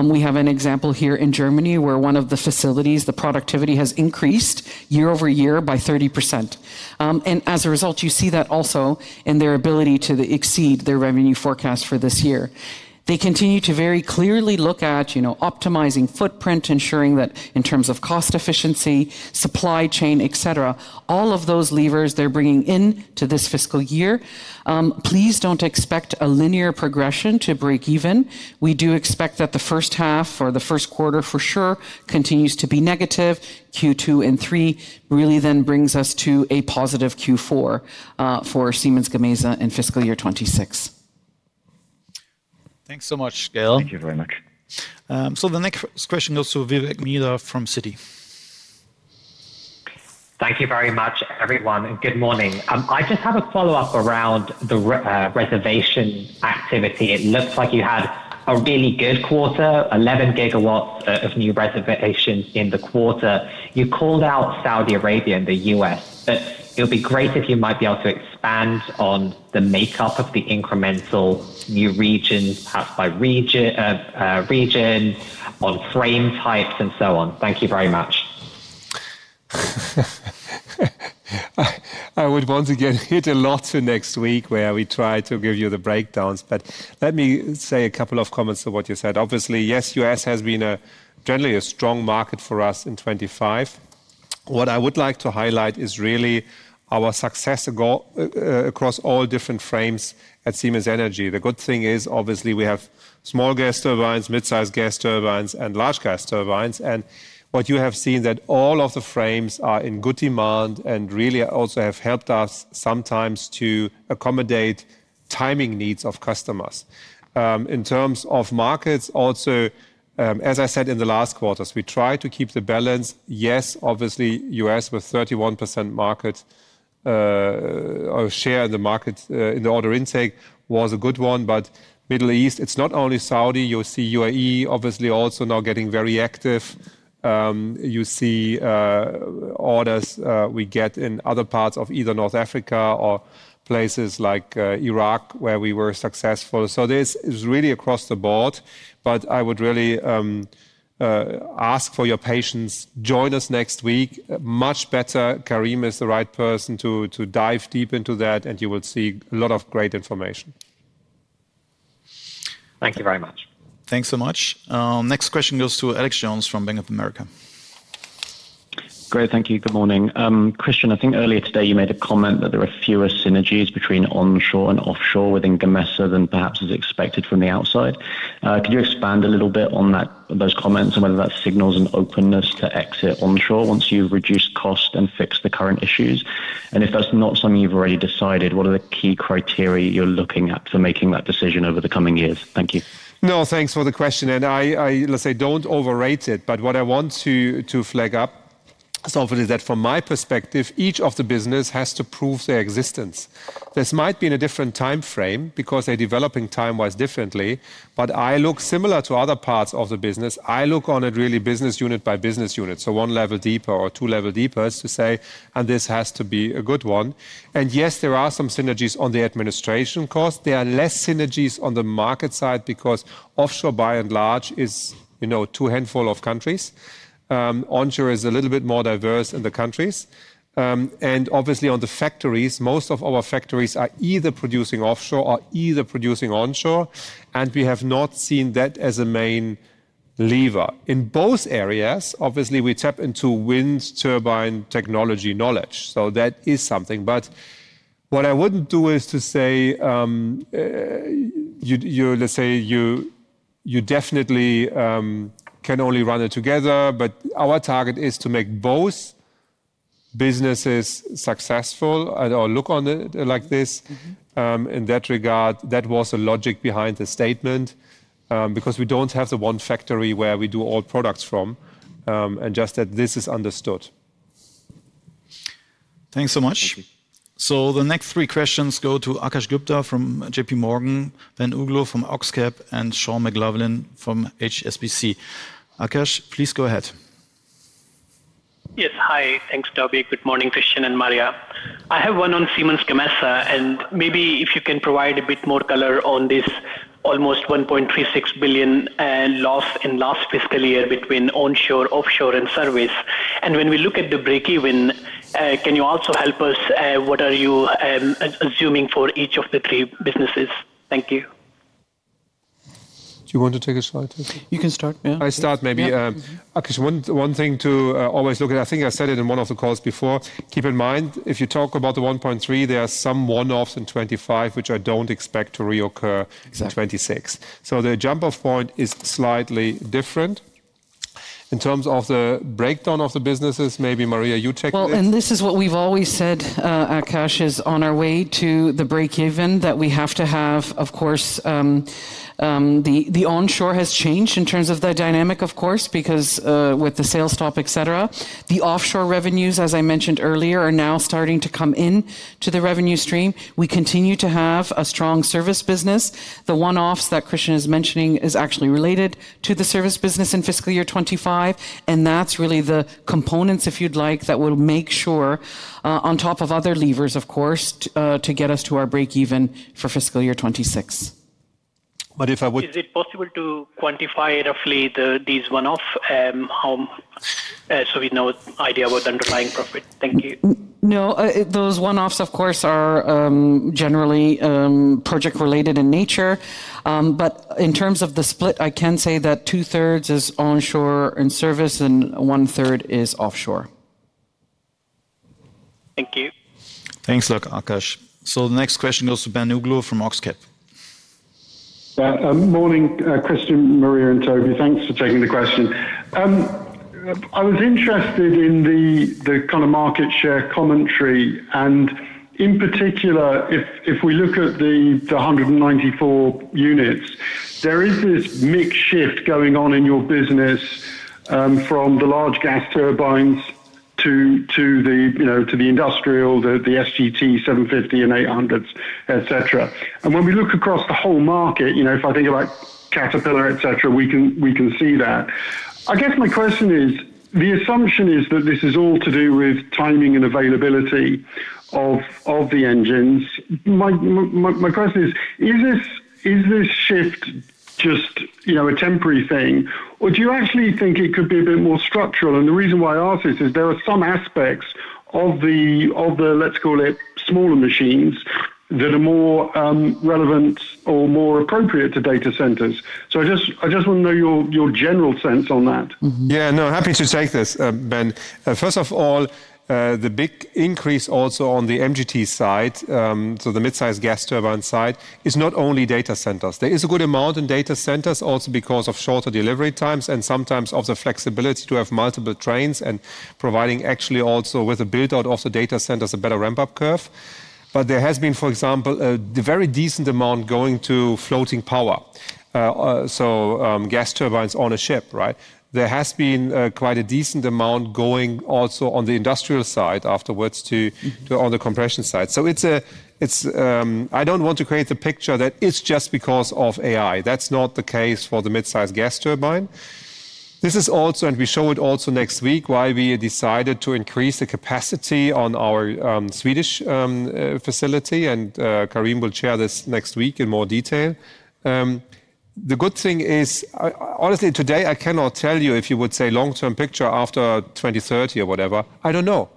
C: We have an example here in Germany where one of the facilities, the productivity has increased year over year by 30%. As a result, you see that also in their ability to exceed their revenue forecast for this year. They continue to very clearly look at optimizing footprint, ensuring that in terms of cost efficiency, supply chain, et cetera, all of those levers they're bringing into this fiscal year. Please don't expect a linear progression to break-even. We do expect that the first half or the first quarter for sure continues to be negative. Q2 and Q3 really then brings us to a positive Q4 for Siemens Gamesa in fiscal year 2026.
B: Thanks so much, Gael.
G: Thank you very much.
A: The next question goes to Vivek Midha from Citi.
H: Thank you very much, everyone, and good morning. I just have a follow-up around the reservation activity. It looks like you had a really good quarter, 11 gigawatts of new reservations in the quarter. You called out Saudi Arabia and the U.S., but it would be great if you might be able to expand on the makeup of the incremental new regions, perhaps by region, on frame types and so on. Thank you very much.
B: I would want to get hit a lot next week where we try to give you the breakdowns, but let me say a couple of comments to what you said. Obviously, yes, U.S. has been generally a strong market for us in 2025. What I would like to highlight is really our success across all different frames at Siemens Energy. The good thing is, obviously, we have small gas turbines, mid-size gas turbines, and large gas turbines. What you have seen is that all of the frames are in good demand and really also have helped us sometimes to accommodate timing needs of customers. In terms of markets, also, as I said in the last quarters, we tried to keep the balance. Yes, obviously, U.S. with 31% market share in the market in the order intake was a good one, but Middle East, it's not only Saudi. You see UAE obviously also now getting very active. You see orders we get in other parts of either North Africa or places like Iraq where we were successful. This is really across the board, but I would really ask for your patience. Join us next week. Much better, Karim is the right person to dive deep into that, and you will see a lot of great information.
H: Thank you very much.
A: Thanks so much. Next question goes to Alexander Jones from Bank of America.
I: Great, thank you. Good morning. Christian, I think earlier today you made a comment that there are fewer synergies between onshore and offshore within Gamesa than perhaps is expected from the outside. Could you expand a little bit on those comments and whether that signals an openness to exit onshore once you've reduced costs and fixed the current issues? If that's not something you've already decided, what are the key criteria you're looking at for making that decision over the coming years? Thank you.
B: No, thanks for the question. I, let's say, don't overrate it, but what I want to flag up so often is that from my perspective, each of the businesses has to prove their existence. This might be in a different time frame because they're developing time-wise differently, but I look similar to other parts of the business. I look on it really business unit by business unit. One level deeper or two levels deeper to say, this has to be a good one. Yes, there are some synergies on the administration cost. There are less synergies on the market side because offshore, by and large, is two handful of countries. Onshore is a little bit more diverse in the countries. Obviously, on the factories, most of our factories are either producing offshore or either producing onshore, and we have not seen that as a main lever. In both areas, obviously, we tap into wind turbine technology knowledge. That is something. What I would not do is to say, let's say, you definitely can only run it together, but our target is to make both businesses successful and/or look on it like this. In that regard, that was the logic behind the statement because we do not have the one factory where we do all products from, and just that this is understood.
A: Thanks so much. The next three questions go to Akash Gupta from JPMorgan, Ben Uglow from Oxcap, and Sean McLoughlin from HSBC. Akash, please go ahead.
J: Yes, hi. Thanks, Toby. Good morning, Christian and Maria. I have one on Siemens Gamesa, and maybe if you can provide a bit more color on this almost 1.36 billion loss in last fiscal year between onshore, offshore, and service. When we look at the break-even, can you also help us? What are you assuming for each of the three businesses? Thank you.
B: Do you want to take a shot?
C: You can start. Yeah.
B: I start maybe. Okay, so one thing to always look at, I think I said it in one of the calls before, keep in mind, if you talk about the 1.3 billion, there are some one-offs in 2025, which I do not expect to reoccur in 2026. The jump-off point is slightly different. In terms of the breakdown of the businesses, maybe Maria, you take this.
C: This is what we've always said, Akash, is on our way to the break-even that we have to have, of course, the onshore has changed in terms of the dynamic, of course, because with the sales stop, et cetera. The offshore revenues, as I mentioned earlier, are now starting to come into the revenue stream. We continue to have a strong service business. The one-offs that Christian is mentioning are actually related to the service business in fiscal year 2025, and that's really the components, if you'd like, that will make sure, on top of other levers, of course, to get us to our break-even for fiscal year 2026.
B: If I would.
J: Is it possible to quantify roughly these one-offs so we know the idea of the underlying profit? Thank you.
C: No, those one-offs, of course, are generally project-related in nature. In terms of the split, I can say that two-thirds is onshore and service and one-third is offshore.
J: Thank you.
A: Thanks, Akash. The next question goes to Ben Uglow from Oxcap.
K: Morning, Christian, Maria, and Toby. Thanks for taking the question. I was interested in the kind of market share commentary, and in particular, if we look at the 194 units, there is this mixed shift going on in your business from the large gas turbines to the industrial, the SGT-750 and 800s, et cetera. When we look across the whole market, if I think about Caterpillar, et cetera, we can see that. I guess my question is, the assumption is that this is all to do with timing and availability of the engines. My question is, is this shift just a temporary thing, or do you actually think it could be a bit more structural? The reason why I ask this is there are some aspects of the, let's call it, smaller machines that are more relevant or more appropriate to data centers. I just want to know your general sense on that.
B: Yeah, no, happy to take this, Ben. First of all, the big increase also on the MGT side, so the mid-size gas turbine side, is not only data centers. There is a good amount in data centers also because of shorter delivery times and sometimes of the flexibility to have multiple trains and providing actually also with a build-out of the data centers, a better ramp-up curve. There has been, for example, a very decent amount going to floating power, so gas turbines on a ship, right? There has been quite a decent amount going also on the industrial side afterwards to on the compression side. I do not want to create the picture that it is just because of AI. That is not the case for the mid-size gas turbine. This is also, and we show it also next week, why we decided to increase the capacity on our Swedish facility, and Karim will share this next week in more detail. The good thing is, honestly, today I cannot tell you if you would say long-term picture after 2030 or whatever. I do not know.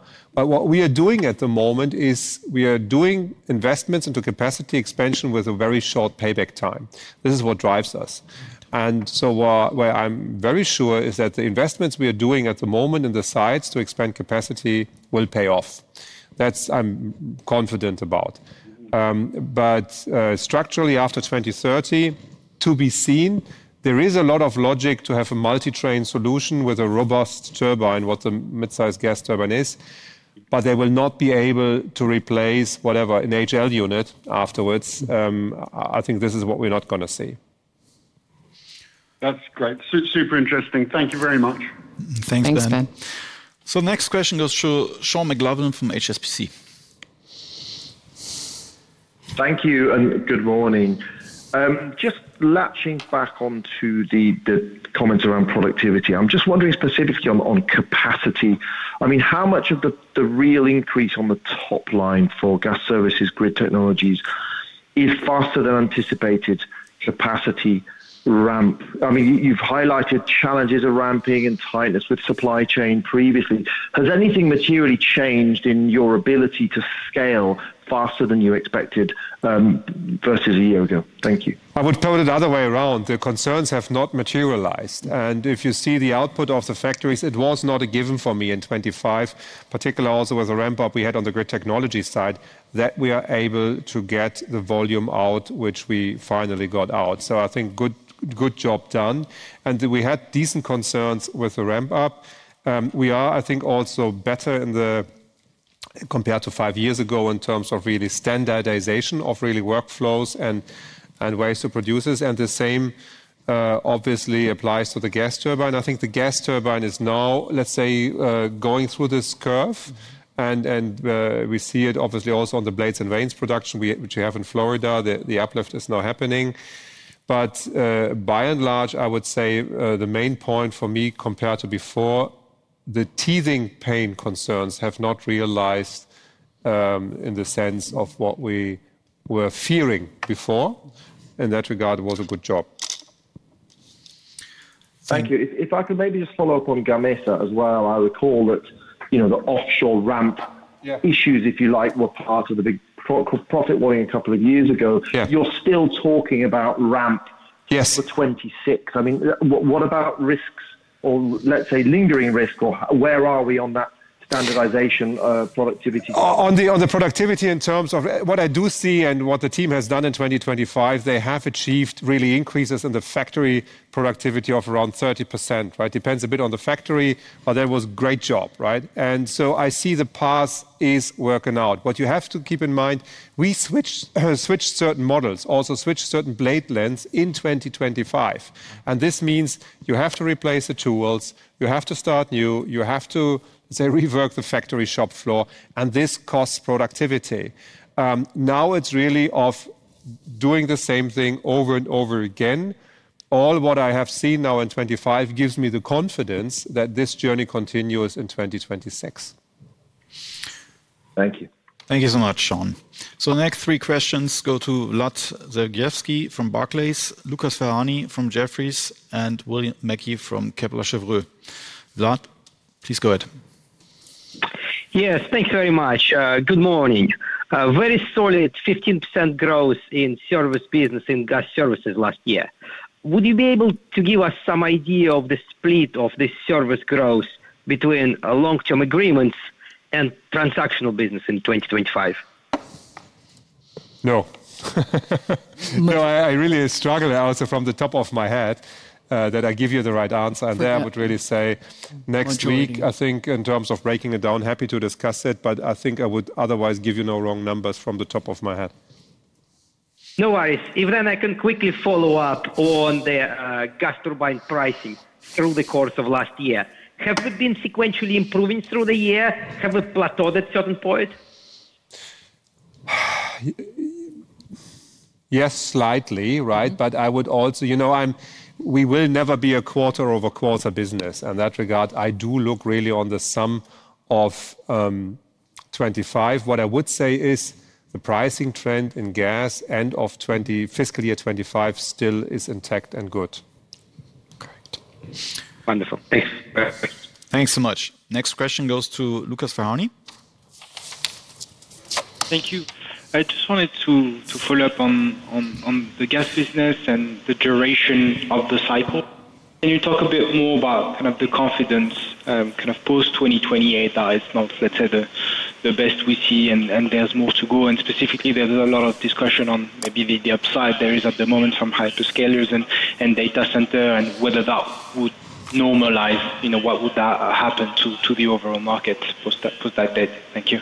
B: What we are doing at the moment is we are doing investments into capacity expansion with a very short payback time. This is what drives us. What I am very sure is that the investments we are doing at the moment in the sites to expand capacity will pay off. That is what I am confident about. Structurally, after 2030, to be seen, there is a lot of logic to have a multi-train solution with a robust turbine, what the mid-size gas turbine is, but they will not be able to replace whatever an HL unit afterwards. I think this is what we're not going to see.
K: That's great. Super interesting. Thank you very much.
C: Thanks, Ben.
B: Thank Ben.
A: The next question goes to Sean McLoughlin from HSBC.
L: Thank you and good morning. Just latching back onto the comments around productivity, I'm just wondering specifically on capacity. I mean, how much of the real increase on the top line for Gas Services, Grid Technologies is faster than anticipated capacity ramp? I mean, you've highlighted challenges of ramping and tightness with supply chain previously. Has anything materially changed in your ability to scale faster than you expected versus a year ago? Thank you.
B: I would put it the other way around. The concerns have not materialized. If you see the output of the factories, it was not a given for me in 2025, particularly also with the ramp-up we had on the grid technology side, that we are able to get the volume out, which we finally got out. I think good job done. We had decent concerns with the ramp-up. We are, I think, also better compared to five years ago in terms of really standardization of workflows and ways to produce this. The same, obviously, applies to the gas turbine. I think the gas turbine is now, let's say, going through this curve, and we see it obviously also on the blades and vanes production, which we have in Florida. The uplift is now happening. By and large, I would say the main point for me compared to before, the teething pain concerns have not realized in the sense of what we were fearing before. In that regard, it was a good job.
L: Thank you. If I could maybe just follow up on Gamesa as well. I recall that the offshore ramp issues, if you like, were part of the big profit warning a couple of years ago. You're still talking about ramp for 2026. I mean, what about risks or, let's say, lingering risk, or where are we on that standardization productivity?
B: On the productivity in terms of what I do see and what the team has done in 2025, they have achieved really increases in the factory productivity of around 30%, right? Depends a bit on the factory, but that was a great job, right? I see the path is working out. What you have to keep in mind, we switched certain models, also switched certain blade lengths in 2025. This means you have to replace the tools, you have to start new, you have to, let's say, rework the factory shop floor, and this costs productivity. Now it is really of doing the same thing over and over again. All what I have seen now in 2025 gives me the confidence that this journey continues in 2026.
L: Thank you.
B: Thank you so much, Sean.
A: T`he next three questions go to Lutz Zergewski from Barclays, Lukas Ferrani from Jefferies, and William Mackie from Kepler Cheuvreux. Lutz, please go ahead.
M: Yes, thanks very much. Good morning. Very solid 15% growth in service business in gas services last year. Would you be able to give us some idea of the split of this service growth between long-term agreements and transactional business in 2025?
B: No. No, I really struggled also from the top of my head that I give you the right answer. I would really say next week, I think in terms of breaking it down, happy to discuss it, but I think I would otherwise give you no wrong numbers from the top of my head.
M: No worries. Evelyn, I can quickly follow up on the gas turbine pricing through the course of last year. Have we been sequentially improving through the year? Have we plateaued at certain points?
B: Yes, slightly, right? But I would also, you know, we will never be a quarter-over-quarter business. In that regard, I do look really on the sum of 25. What I would say is the pricing trend in gas end of fiscal year 2025 still is intact and good.
M: Correct. Wonderful. Thanks.
A: Thanks so much. Next question goes to Lukas Ferrani.
N: Thank you. I just wanted to follow up on the gas business and the duration of the cycle. Can you talk a bit more about kind of the confidence kind of post-2028 that it is not, let's say, the best we see and there is more to go? Specifically, there is a lot of discussion on maybe the upside there is at the moment from hyperscalers and data centers and whether that would normalize, what would that happen to the overall market post that date? Thank you.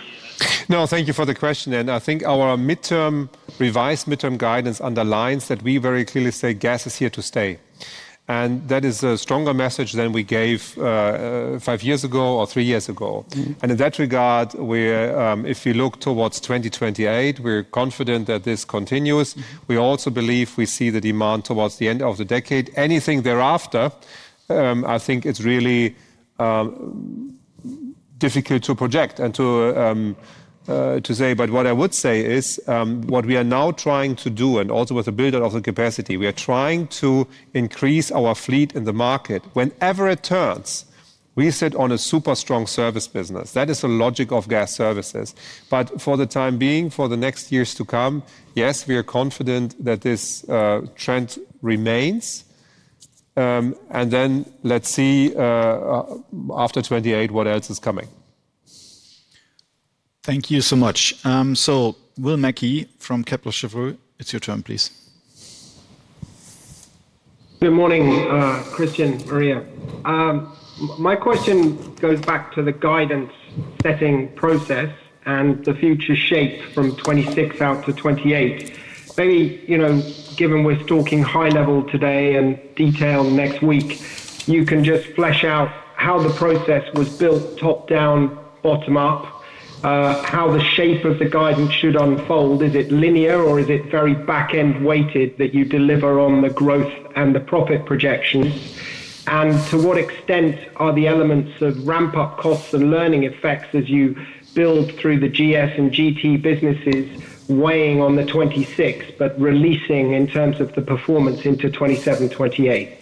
B: No, thank you for the question. I think our revised mid-term guidance underlines that we very clearly say gas is here to stay. That is a stronger message than we gave five years ago or three years ago. In that regard, if you look towards 2028, we are confident that this continues. We also believe we see the demand towards the end of the decade. Anything thereafter, I think it is really difficult to project and to say. What I would say is what we are now trying to do, and also with the build-up of the capacity, we are trying to increase our fleet in the market. Whenever it turns, we sit on a super strong service business. That is the logic of Gas Services. For the time being, for the next years to come, yes, we are confident that this trend remains. Let's see after 2028 what else is coming.
A: Thank you so much. Will Mackie from Kepler Cheuvreux, it's your turn, please.
O: Good morning, Christian, Maria. My question goes back to the guidance setting process and the future shape from 2026 out to 2028. Maybe given we're talking high level today and detail next week, you can just flesh out how the process was built top down, bottom up, how the shape of the guidance should unfold. Is it linear or is it very back end weighted that you deliver on the growth and the profit projections? To what extent are the elements of ramp-up costs and learning effects as you build through the GS and GT businesses weighing on the 2026 but releasing in terms of the performance into 2027, 2028?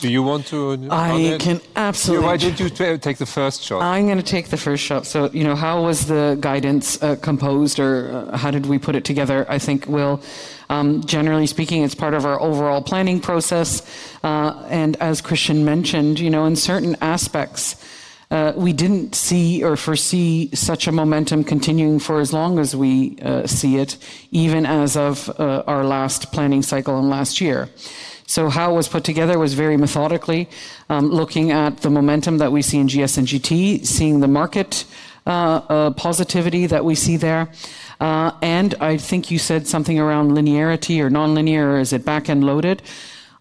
B: Do you want to?
C: I can absolutely.
B: You're right. You take the first shot.
C: I'm going to take the first shot. How was the guidance composed or how did we put it together? I think, generally speaking, it's part of our overall planning process. As Christian mentioned, in certain aspects, we did not see or foresee such a momentum continuing for as long as we see it, even as of our last planning cycle and last year. How it was put together was very methodically, looking at the momentum that we see in GS and GT, seeing the market positivity that we see there. I think you said something around linearity or non-linear or is it back end loaded?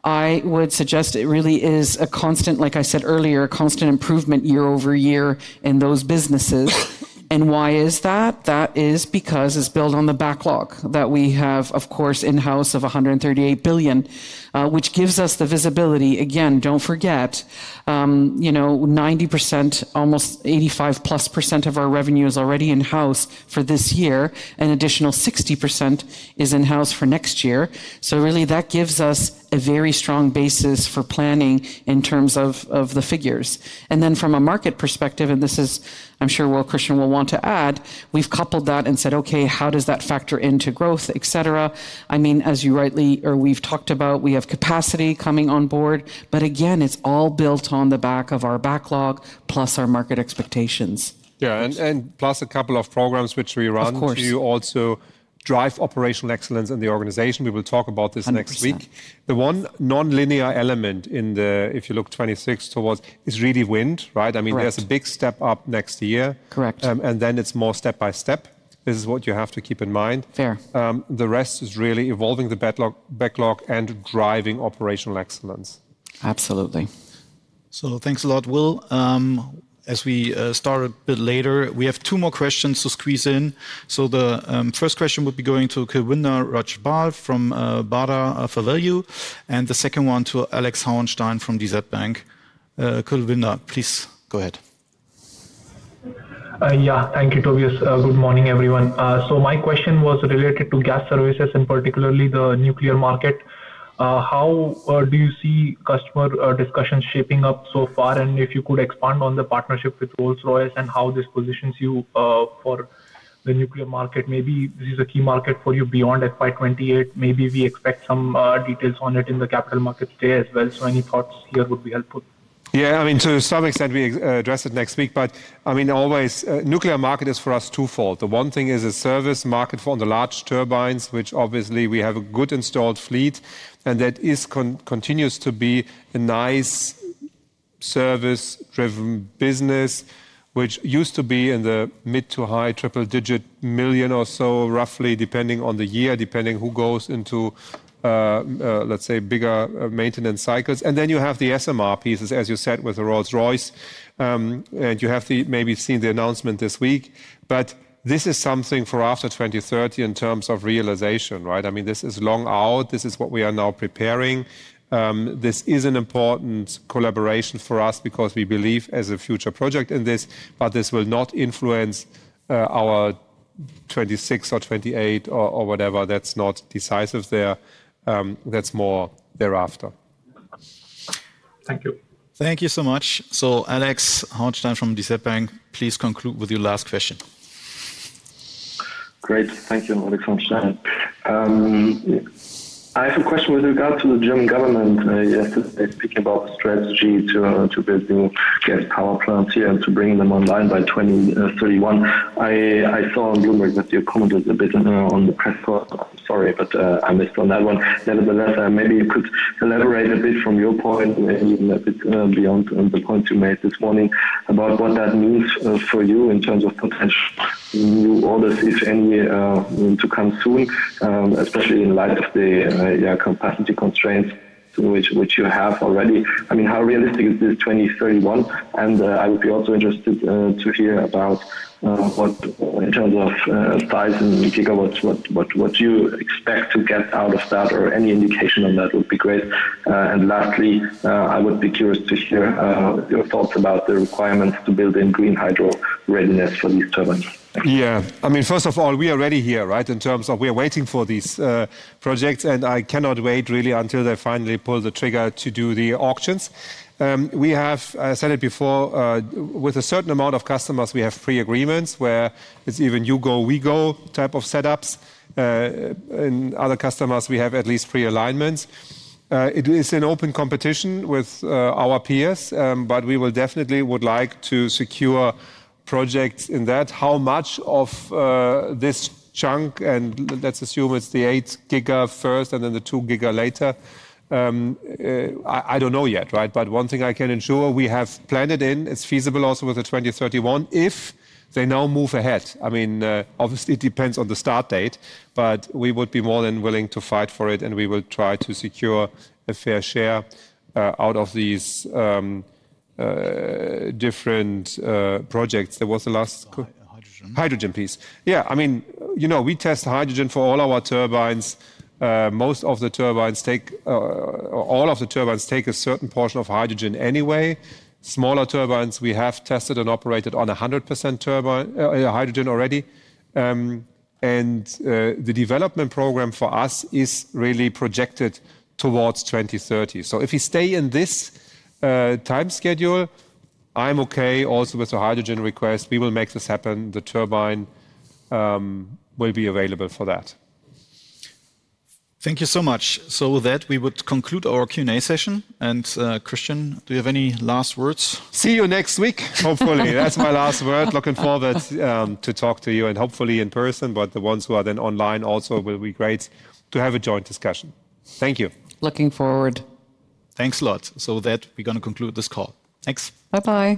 C: I would suggest it really is a constant, like I said earlier, constant improvement year over year in those businesses. Why is that? That is because it's built on the backlog that we have, of course, in-house of 138 billion, which gives us the visibility. Again, do not forget, 90%, almost 85% plus of our revenue is already in-house for this year, and additional 60% is in-house for next year. Really, that gives us a very strong basis for planning in terms of the figures. From a market perspective, and this is, I am sure Christian will want to add, we have coupled that and said, okay, how does that factor into growth, et cetera? I mean, as you rightly or we have talked about, we have capacity coming on board, but again, it is all built on the back of our backlog plus our market expectations.
B: Yeah, and plus a couple of programs which we run.
C: Of course.
B: We also drive operational excellence in the organization. We will talk about this next week. The one non-linear element in the, if you look 26 towards, is really wind, right? I mean, there's a big step up next year.
O: Correct.
B: It is more step by step. This is what you have to keep in mind.
O: Fair.
B: The rest is really evolving the backlog and driving operational excellence.
O: Absolutely.
A: Thanks a lot, Will. As we start a bit later, we have two more questions to squeeze in. The first question would be going to Kylewinda Rajbal from Barda Favelu, and the second one to Alex Hauenstein from DZ Bank. Kylewinda, please go ahead.
P: Yeah, thank you, Tobias. Good morning, everyone. My question was related to gas services, and particularly the nuclear market. How do you see customer discussions shaping up so far? If you could expand on the partnership with Rolls-Royce and how this positions you for the nuclear market, maybe this is a key market for you beyond fiscal year 2028. Maybe we expect some details on it in the capital markets today as well. Any thoughts here would be helpful.
B: Yeah, I mean, to some extent, we address it next week. I mean, always the nuclear market is for us twofold. The one thing is a service market for the large turbines, which obviously we have a good installed fleet, and that continues to be a nice service-driven business, which used to be in the mid to high triple-digit million or so, roughly depending on the year, depending who goes into, let's say, bigger maintenance cycles. Then you have the SMR pieces, as you said, with Rolls-Royce, and you have maybe seen the announcement this week. This is something for after 2030 in terms of realization, right? I mean, this is long out. This is what we are now preparing. This is an important collaboration for us because we believe as a future project in this, but this will not influence our 2026 or 2028 or whatever. That's not decisive there. That's more thereafter.
P: Thank you.
A: Thank you so much. Alex Hauenstein from DZ Bank, please conclude with your last question.
Q: Great. Thank you, Alex Hauenstein. I have a question with regard to the German Government. Yesterday, speaking about the strategy to build new gas power plants here and to bring them online by 2031, I saw on Bloomberg that you commented a bit on the press. Sorry, but I missed on that one. Nevertheless, maybe you could elaborate a bit from your point, even a bit beyond the point you made this morning about what that means for you in terms of potential new orders, if any, to come soon, especially in light of the capacity constraints which you have already. I mean, how realistic is this 2031? I would be also interested to hear about what in terms of size and gigawatts, what you expect to get out of that, or any indication on that would be great. I would be curious to hear your thoughts about the requirements to build in green hydro readiness for these turbines.
B: Yeah. I mean, first of all, we are ready here, right, in terms of we are waiting for these projects, and I cannot wait really until they finally pull the trigger to do the auctions. We have, I said it before, with a certain amount of customers, we have pre-agreements where it's either you go, we go type of setups. In other customers, we have at least pre-alignments. It is an open competition with our peers, but we definitely would like to secure projects in that. How much of this chunk, and let's assume it's the 8 gig first and then the 2 gig later, I do not know yet, right? One thing I can ensure, we have planted in, it's feasible also with the 2031 if they now move ahead. I mean, obviously, it depends on the start date, but we would be more than willing to fight for it, and we will try to secure a fair share out of these different projects. There was the last.
A: Hydrogen.
B: Hydrogen piece. Yeah. I mean, you know, we test hydrogen for all our turbines. Most of the turbines take, all of the turbines take a certain portion of hydrogen anyway. Smaller turbines, we have tested and operated on 100% hydrogen already. The development program for us is really projected towards 2030. If we stay in this time schedule, I'm okay also with the hydrogen request. We will make this happen. The turbine will be available for that.
A: Thank you so much. With that, we would conclude our Q and A session. Christian, do you have any last words?
B: See you next week, hopefully. That is my last word. Looking forward to talk to you and hopefully in person, but the ones who are then online also will be great to have a joint discussion. Thank you.
C: Looking forward.
A: Thanks a lot. With that, we're going to conclude this call. Thanks.
C: Bye-bye.